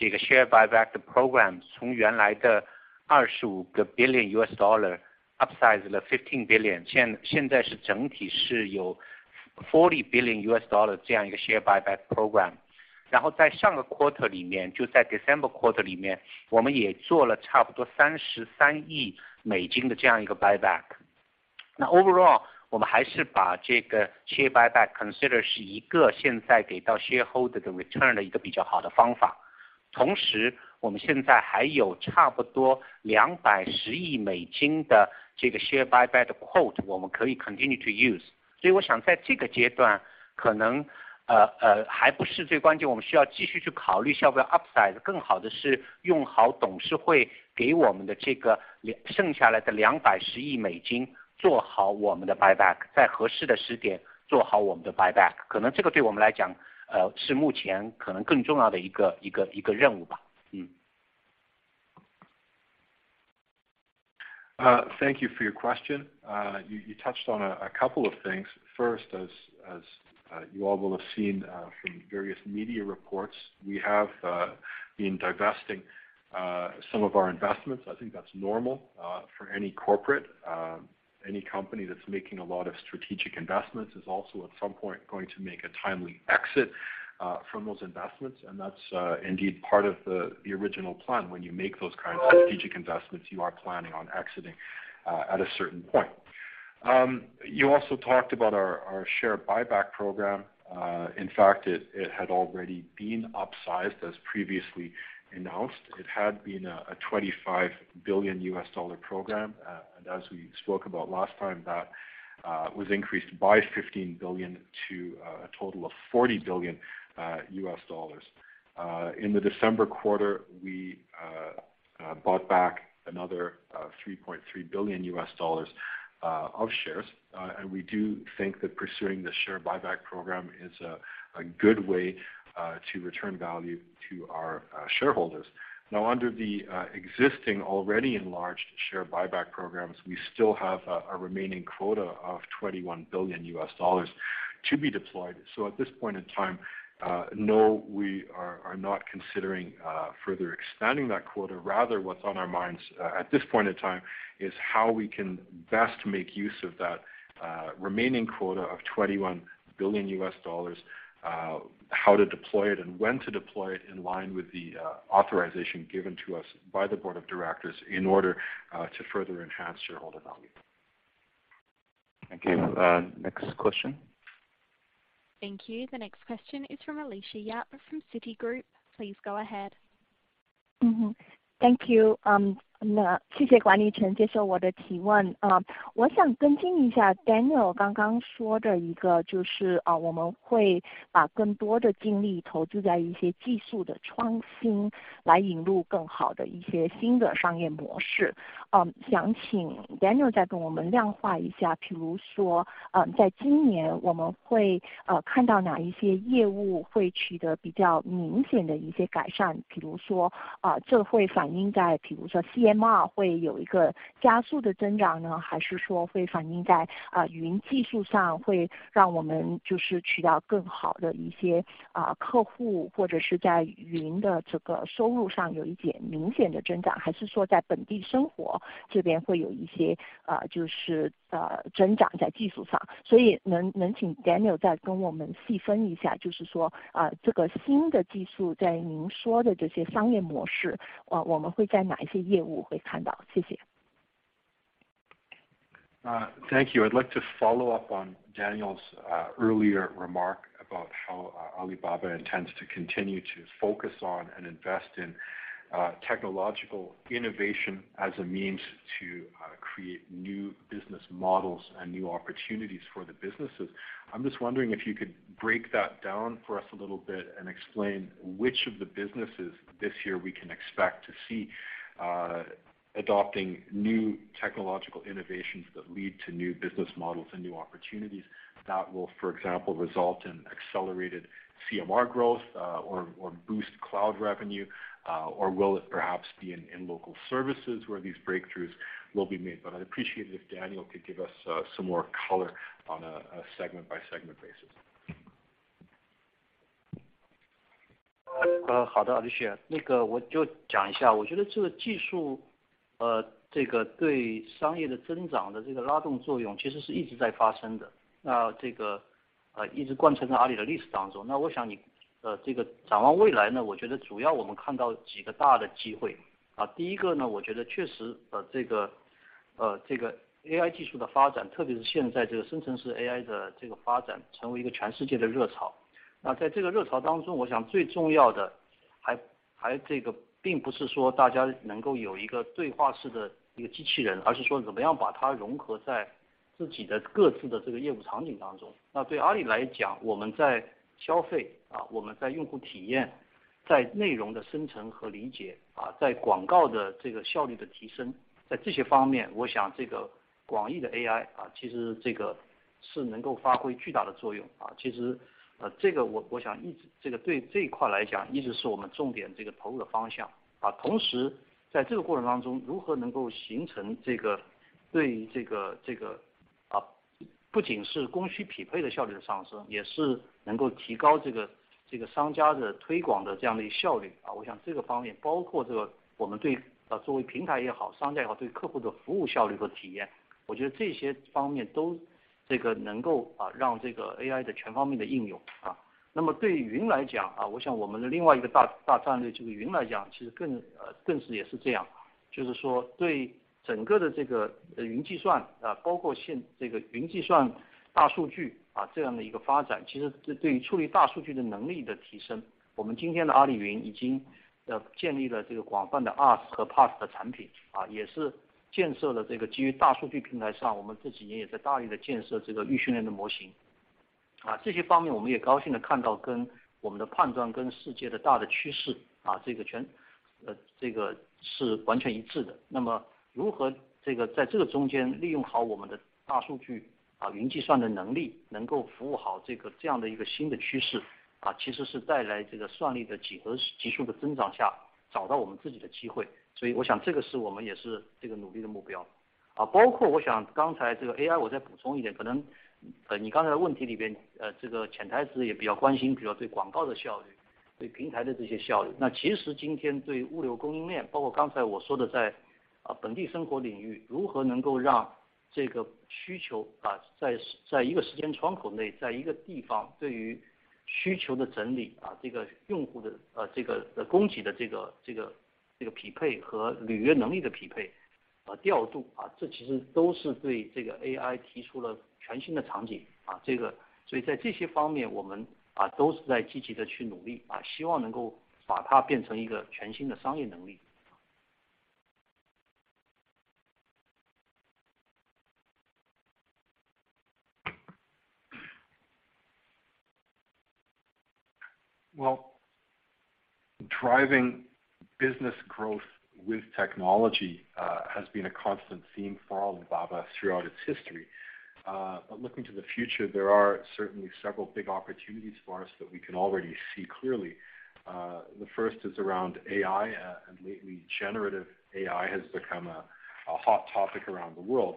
upsize $15 billion-$40 billion share buyback program. Overall, we're still considering this share buyback as a better way to give shareholders a return. At the same time, we still have about $200 billion in share buyback quotes that we can continue to use. I think at this stage, it may not be the most critical. We need to continue to consider whether or not to upsize. The better approach is to make good use of the remaining $200 billion that the board has given us and to implement our buyback at the right time. Doing our buyback at the right time may be a more important task for us at the moment. Thank you for your question. You touched on a couple of things. First, as you all will have seen from various media reports, we have been divesting some of our investments. I think that's normal for any corporate, any company that's making a lot of strategic investments is also at some point going to make a timely exit from those investments. That's indeed part of the original plan. When you make those kinds of strategic investments, you are planning on exiting at a certain point. You also talked about our share buyback program. In fact, it had already been upsized, as previously announced. It had been a $25 billion program. As we spoke about last time, that was increased by 15 billion to a total of $40 billion. In the December quarter, we bought back another $3.3 billion of shares. We do think that pursuing the share buyback program is a good way to return value to our shareholders. Now, under the existing already enlarged share buyback programs, we still have a remaining quota of $21 billion. To be deployed. At this point in time, no, we are not considering further expanding that quota. Rather, what's on our minds at this point in time is how we can best make use of that remaining quota of $21 billion, how to deploy it and when to deploy it in line with the authorization given to us by the Board of Directors in order to further enhance shareholder value. Thank you. Next question. Thank you. The next question is from Alicia Yap from Citigroup. Please go ahead. Thank you。嗯。那谢谢管理层接受我的提问。我想跟进一下 Daniel 刚刚说的一个就 是， 啊我们会把更多的精力投资在一些技术的创 新， 来引入更好的一些新的商业模式。想请 Daniel 再跟我们量化一 下， 譬如说在今年我们会看到哪一些业务会取得比较明显的一些改 善， 譬如说这会反映在譬如说 CMR 会有一个加速的增长 呢， 还是说会反映在啊云技术 上， 会让我们就是取得更好的一些啊客 户， 或者是在云的这个收入上有一点明显的增 长， 还是说在本地生活这边会有一些 啊， 就是 啊， 增长在技术上。所以能能请 Daniel 再跟我们细分一 下， 就是说啊这个新的技术在您说的这些商业模 式， 啊我们会在哪一些业务会看 到？ 谢谢。Thank you. I'd like to follow up on Daniel's earlier remark about how Alibaba intends to continue to focus on and invest in technological innovation as a means to create new business models and new opportunities for the businesses. I'm just wondering if you could break that down for us a little bit and explain which of the businesses this year we can expect to see adopting new technological innovations that lead to new business models and new opportunities that will, for example, result in accelerated CMR growth or boost cloud revenue. Will it perhaps be in local services where these breakthroughs will be made? I'd appreciate it if Daniel could give us some more color on a segment by segment basis. 好的, Alicia. 我就讲一 下, 我觉得这个技 术, 这个对商业的增长的这个拉动作用其实是一直在发生 的. 这个一直贯穿在阿里的历史当 中. 我想你这个展望未来 呢, 我觉得主要我们看到几个大的机 会. 第一个 呢, 我觉得确实这个 AI 技术的发 展, 特别是现在这个 generative AI 的这个发展成为一个全世界的热 潮, 在这个热潮当 中, 我想最重要的还这个并不是说大家能够有一个对话式的一个机器 人, 而是说怎么样把它融合在自己的各自的这个业务场景当 中. 对阿里来 讲, 我们在消 费, 我们在用户体 验, 在内容的生成和理 解, 在广告的这个效率的提 升, 在这些方 面, 我想这个广义的 AI, 其实这个是能够发挥巨大的作 用, 其实这个我想一直这个对这一块来 讲, 一直是我们重点这个投入的方 向. 同时在这个过程当 中, 如何能够形成这个对于这个不仅是供需匹配的效率的上 升, 也是能够提高这个商家的推广的这样的效 率. 我想这个方 面, 包括这个我们对作为平台也 好, 商家也 好, 对客户的服务效率和体 验, 我觉得这些方面都这个能够让这个 AI 的全方面的应 用. 对于云来 讲, 我想我们的另外一个大战 略, 这个云来 讲, 其实更是也是这 样, 就是说对整个的这个云计 算, 包括这个云算、大数据这样的一个发 展, 其实对于处理大数据的能力的提 升, 我们今天的 Alibaba Cloud 已经建立了这个广泛的 RDS 和 PS 的产 品, 也是建设的这个基于大数据平台 上, 我们这几年也在大力地建设这个预训练的模 型, 这些方面我们也高兴地看 到, 跟我们的判 断, 跟世界的大的趋 势, 这个是完全一致 的. 如何这个在这个中间利用好我们的大数 据, 云计算的能 力, 能够服务好这个这样的一个新 Well, driving business growth with technology has been a constant theme for Alibaba throughout its history. Looking to the future, there are certainly several big opportunities for us that we can already see clearly. The first is around AI and lately Generative AI has become a hot topic around the world.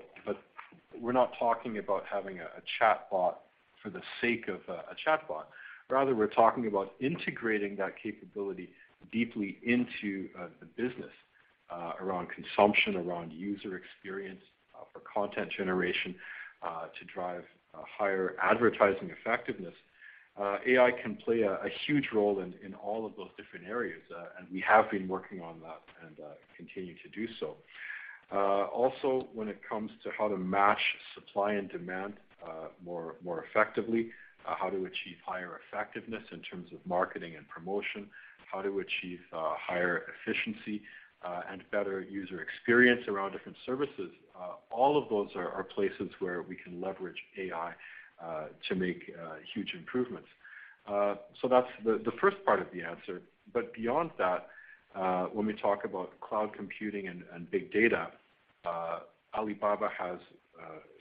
We're not talking about having a chatbot for the sake of a chatbot. Rather, we're talking about integrating that capability deeply into the business, around consumption, around user experience, for content generation, to drive higher advertising effectiveness. AI can play a huge role in all of those different areas, and we have been working on that and continue to do so. Also, when it comes to how to match supply and demand, more effectively, how to achieve higher effectiveness in terms of marketing and promotion, how to achieve higher efficiency, and better user experience around different services, all of those are places where we can leverage AI to make huge improvements. That's the first part of the answer. Beyond that, when we talk about cloud computing and big data, Alibaba has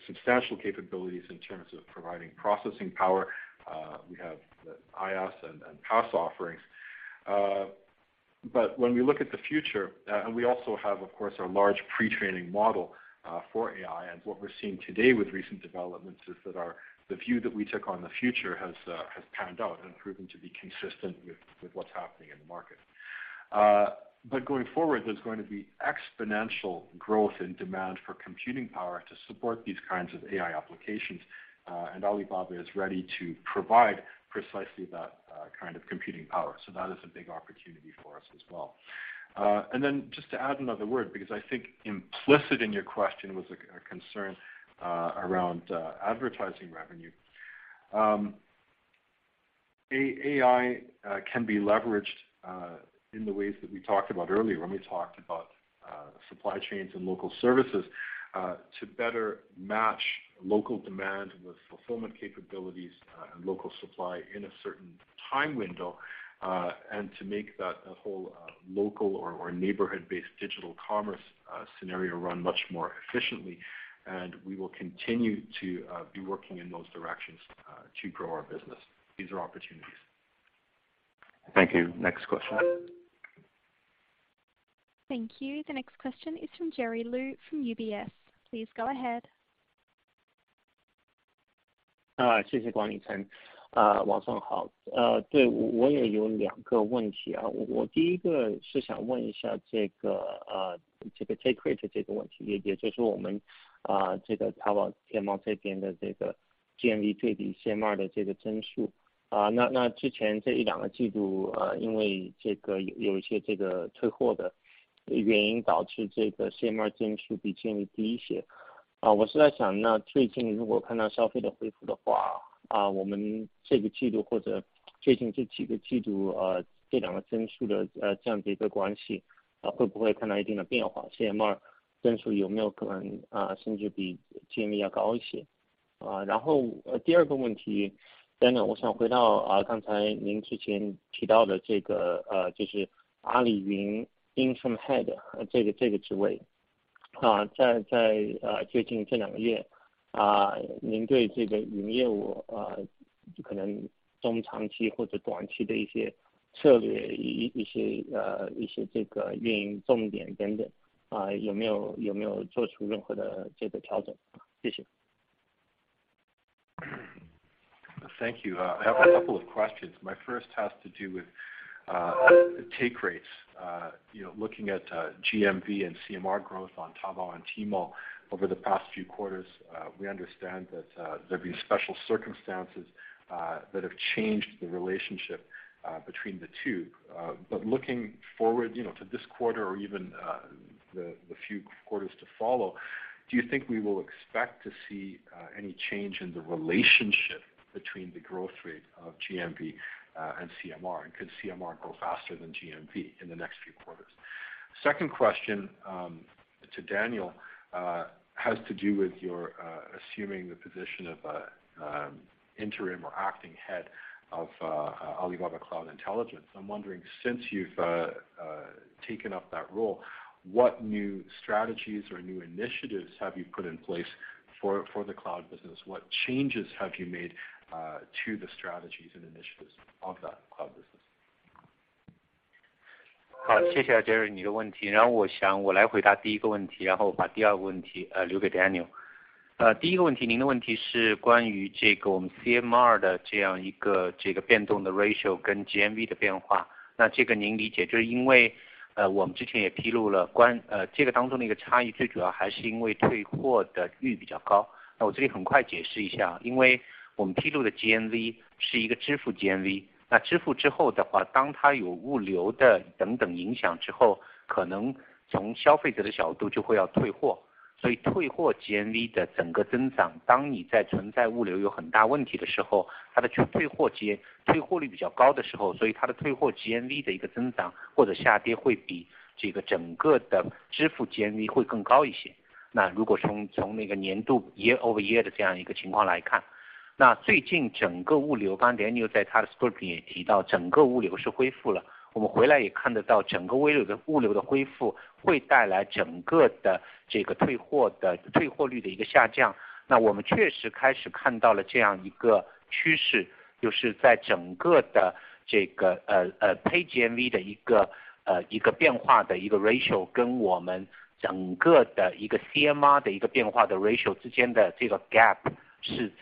substantial capabilities in terms of providing processing power. We have the IaaS and PaaS offerings. When we look at the future, and we also have, of course, a large pre-training model for AI. What we're seeing today with recent developments is that the view that we took on the future has panned out and proven to be consistent with what's happening in the market. Going forward, there's going to be exponential growth in demand for computing power to support these kinds of AI applications, and Alibaba is ready to provide precisely that kind of computing power. That is a big opportunity for us as well. Just to add another word, because I think implicit in your question was a concern around advertising revenue. AI can be leveraged in the ways that we talked about earlier when we talked about supply chains and local services to better match local demand with fulfillment capabilities and local supply in a certain time window and to make that the whole local or neighborhood-based digital commerce scenario run much more efficiently. We will continue to be working in those directions to grow our business. These are opportunities. Thank you. Next question. Thank you. The next question is from Jerry Liu from UBS. Please go ahead. Uh, On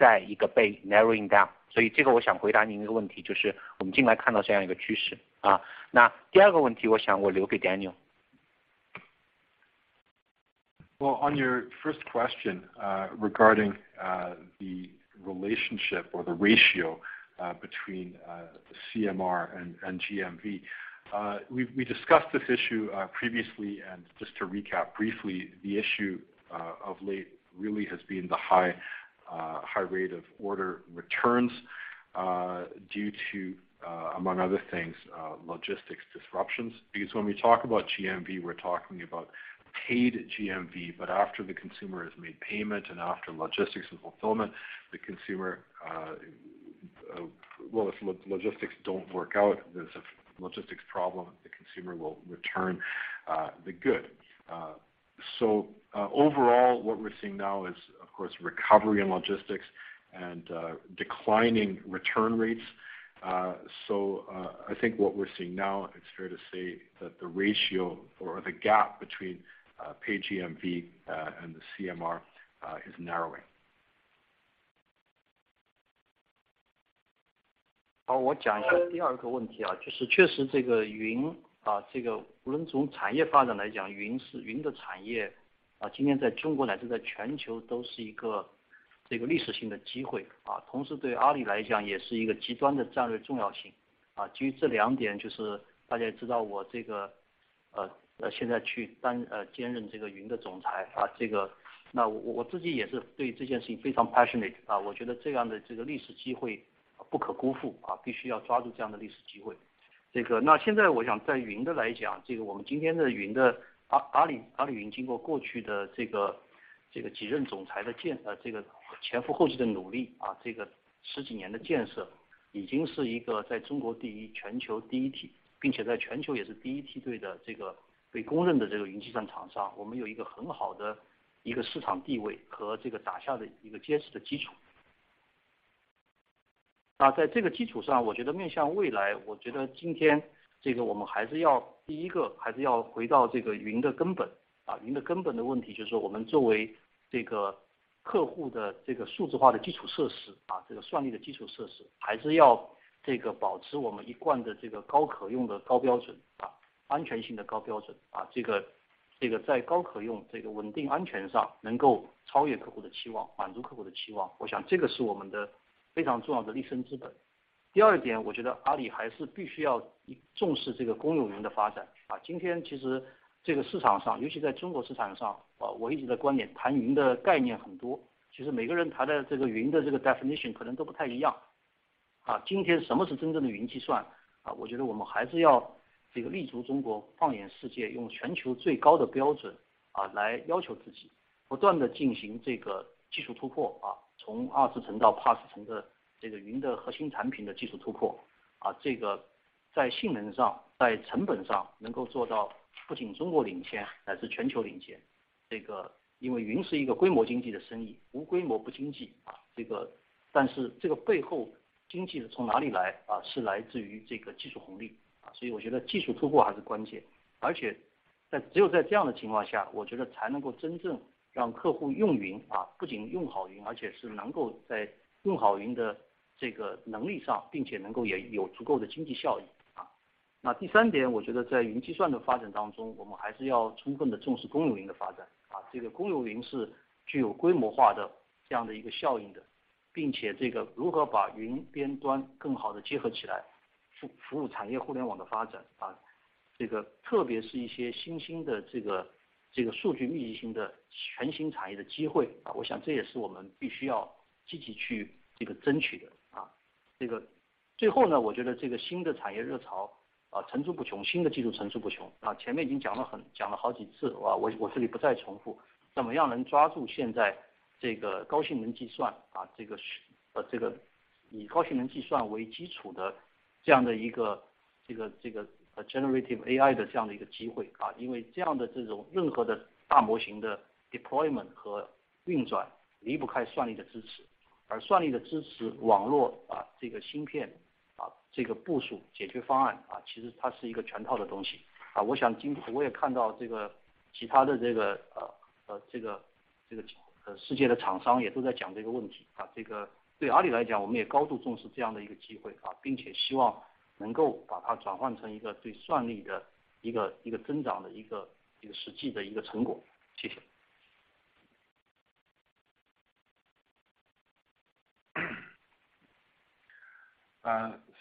your first question regarding the relationship or the ratio between CMR and GMV. We discussed this issue previously, and just to recap briefly, the issue of late really has been the high rate of order returns due to, among other things, logistics disruptions. When we talk about GMV, we're talking about paid GMV. After the consumer has made payment and after logistics and fulfillment, if logistics don't work out, there's a logistics problem, the consumer will return the good. Overall, what we're seeing now is of course recovery and logistics and declining return rates. I think what we're seeing now, it's fair to say that the ratio or the gap between paid GMV and the CMR is narrowing. 我讲一下第二个问 题， 就是确实 云， 无论从产业发展来 讲， 云是云的产 业， 今天在中国乃至在全球都是一个历史性的机会。同时对 Alibaba 来讲也是一个极端的战略重要性。基于这两 点， 就是大家也知道我现在去当兼任云的总 裁， 那我自己也是对这件事情非常 passionate， 我觉得这样的历史机会不可辜 负， 必须要抓住这样的历史机会。现在我想在云的来 讲， 我们今天的 Alibaba Cloud 经过过去的几任总裁的前赴后继的努 力， over 10年的建设已经是一个在中国第 一， 全球第一 梯， 并且在全球也是第一梯队的被公认的云计算厂 商， 我们有一个很好的市场地位和打下的一个坚实的基础。在这个基础 上， 我觉得面向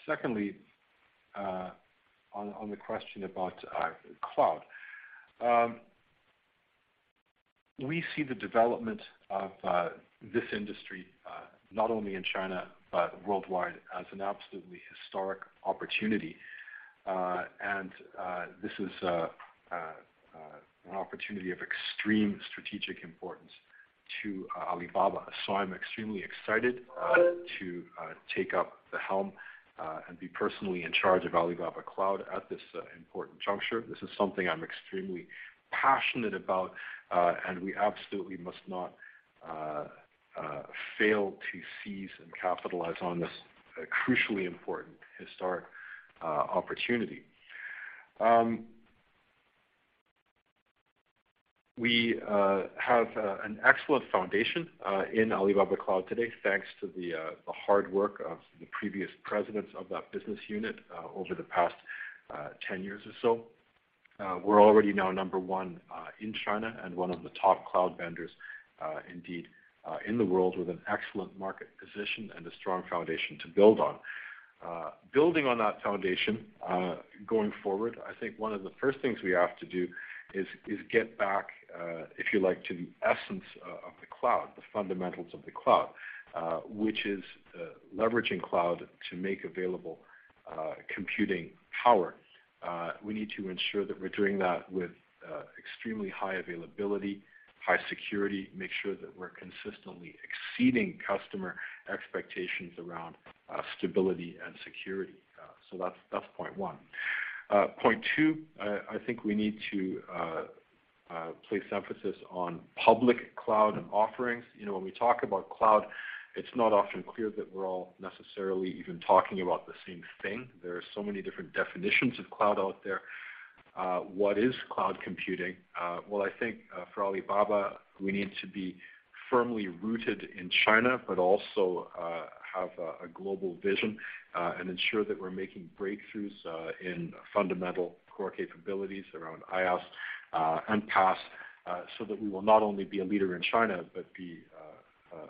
Secondly, on the question about our cloud. We see the development of this industry not only in China but worldwide as an absolutely historic opportunity. This is an opportunity of extreme strategic importance to Alibaba. I'm extremely excited to take up the helm and be personally in charge of Alibaba Cloud at this important juncture. This is something I'm extremely passionate about, and we absolutely must not fail to seize and capitalize on this crucially important historic opportunity. We have an excellent foundation in Alibaba Cloud today, thanks to the hard work of the previous presidents of that business unit over the past 10 years or so. We're already now number one in China and one of the top cloud vendors indeed in the world, with an excellent market position and a strong foundation to build on. Building on that foundation, going forward, I think one of the first things we have to do is get back, if you like, to the essence of the cloud, the fundamentals of the cloud, which is leveraging cloud to make available computing power. We need to ensure that we're doing that with extremely high availability, high security, make sure that we're consistently exceeding customer expectations around stability and security. That's point one. Point two, I think we need to place emphasis on public cloud offerings. You know, when we talk about cloud, it's not often clear that we're all necessarily even talking about the same thing. There are so many different definitions of cloud out there. What is cloud computing? Well, I think, for Alibaba, we need to be firmly rooted in China, but also have a global vision and ensure that we're making breakthroughs in fundamental core capabilities around IaaS and PaaS so that we will not only be a leader in China, but be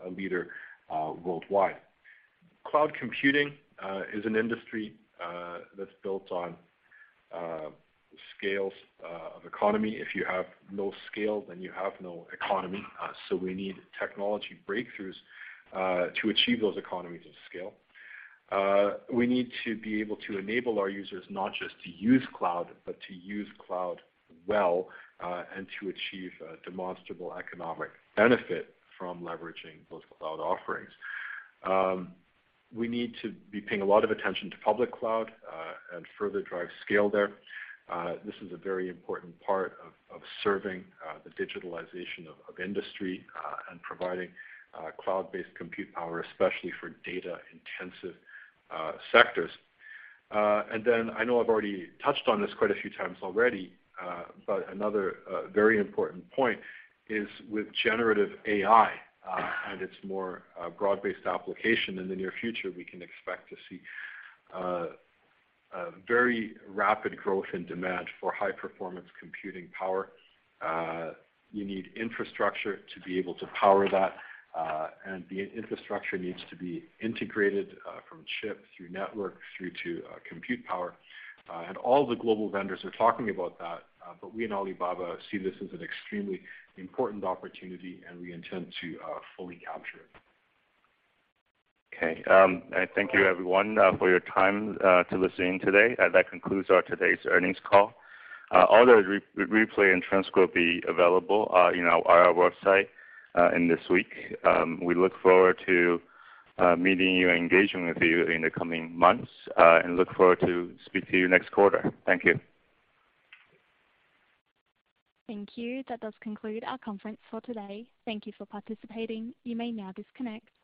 a leader worldwide. Cloud computing is an industry that's built on scales of economy. If you have no scale, you have no economy. We need technology breakthroughs to achieve those economies of scale. We need to be able to enable our users not just to use cloud, but to use cloud well and to achieve demonstrable economic benefit from leveraging those cloud offerings. We need to be paying a lot of attention to public cloud and further drive scale there. This is a very important part of serving the digitalization of industry and providing cloud-based compute power, especially for data-intensive sectors. Then I know I've already touched on this quite a few times already, but another very important point is with generative AI and its more broad-based application. In the near future, we can expect to see a very rapid growth in demand for high-performance computing power. You need infrastructure to be able to power that, and the infrastructure needs to be integrated from chip through network through to compute power. All the global vendors are talking about that. We in Alibaba see this as an extremely important opportunity, and we intend to fully capture it. Okay. Thank you everyone for your time to listening today. That concludes our today's earnings call. Audio replay and transcript will be available in our IR website in this week. We look forward to meeting you and engaging with you in the coming months and look forward to speak to you next quarter. Thank you. Thank you. That does conclude our conference for today. Thank you for participating. You may now disconnect.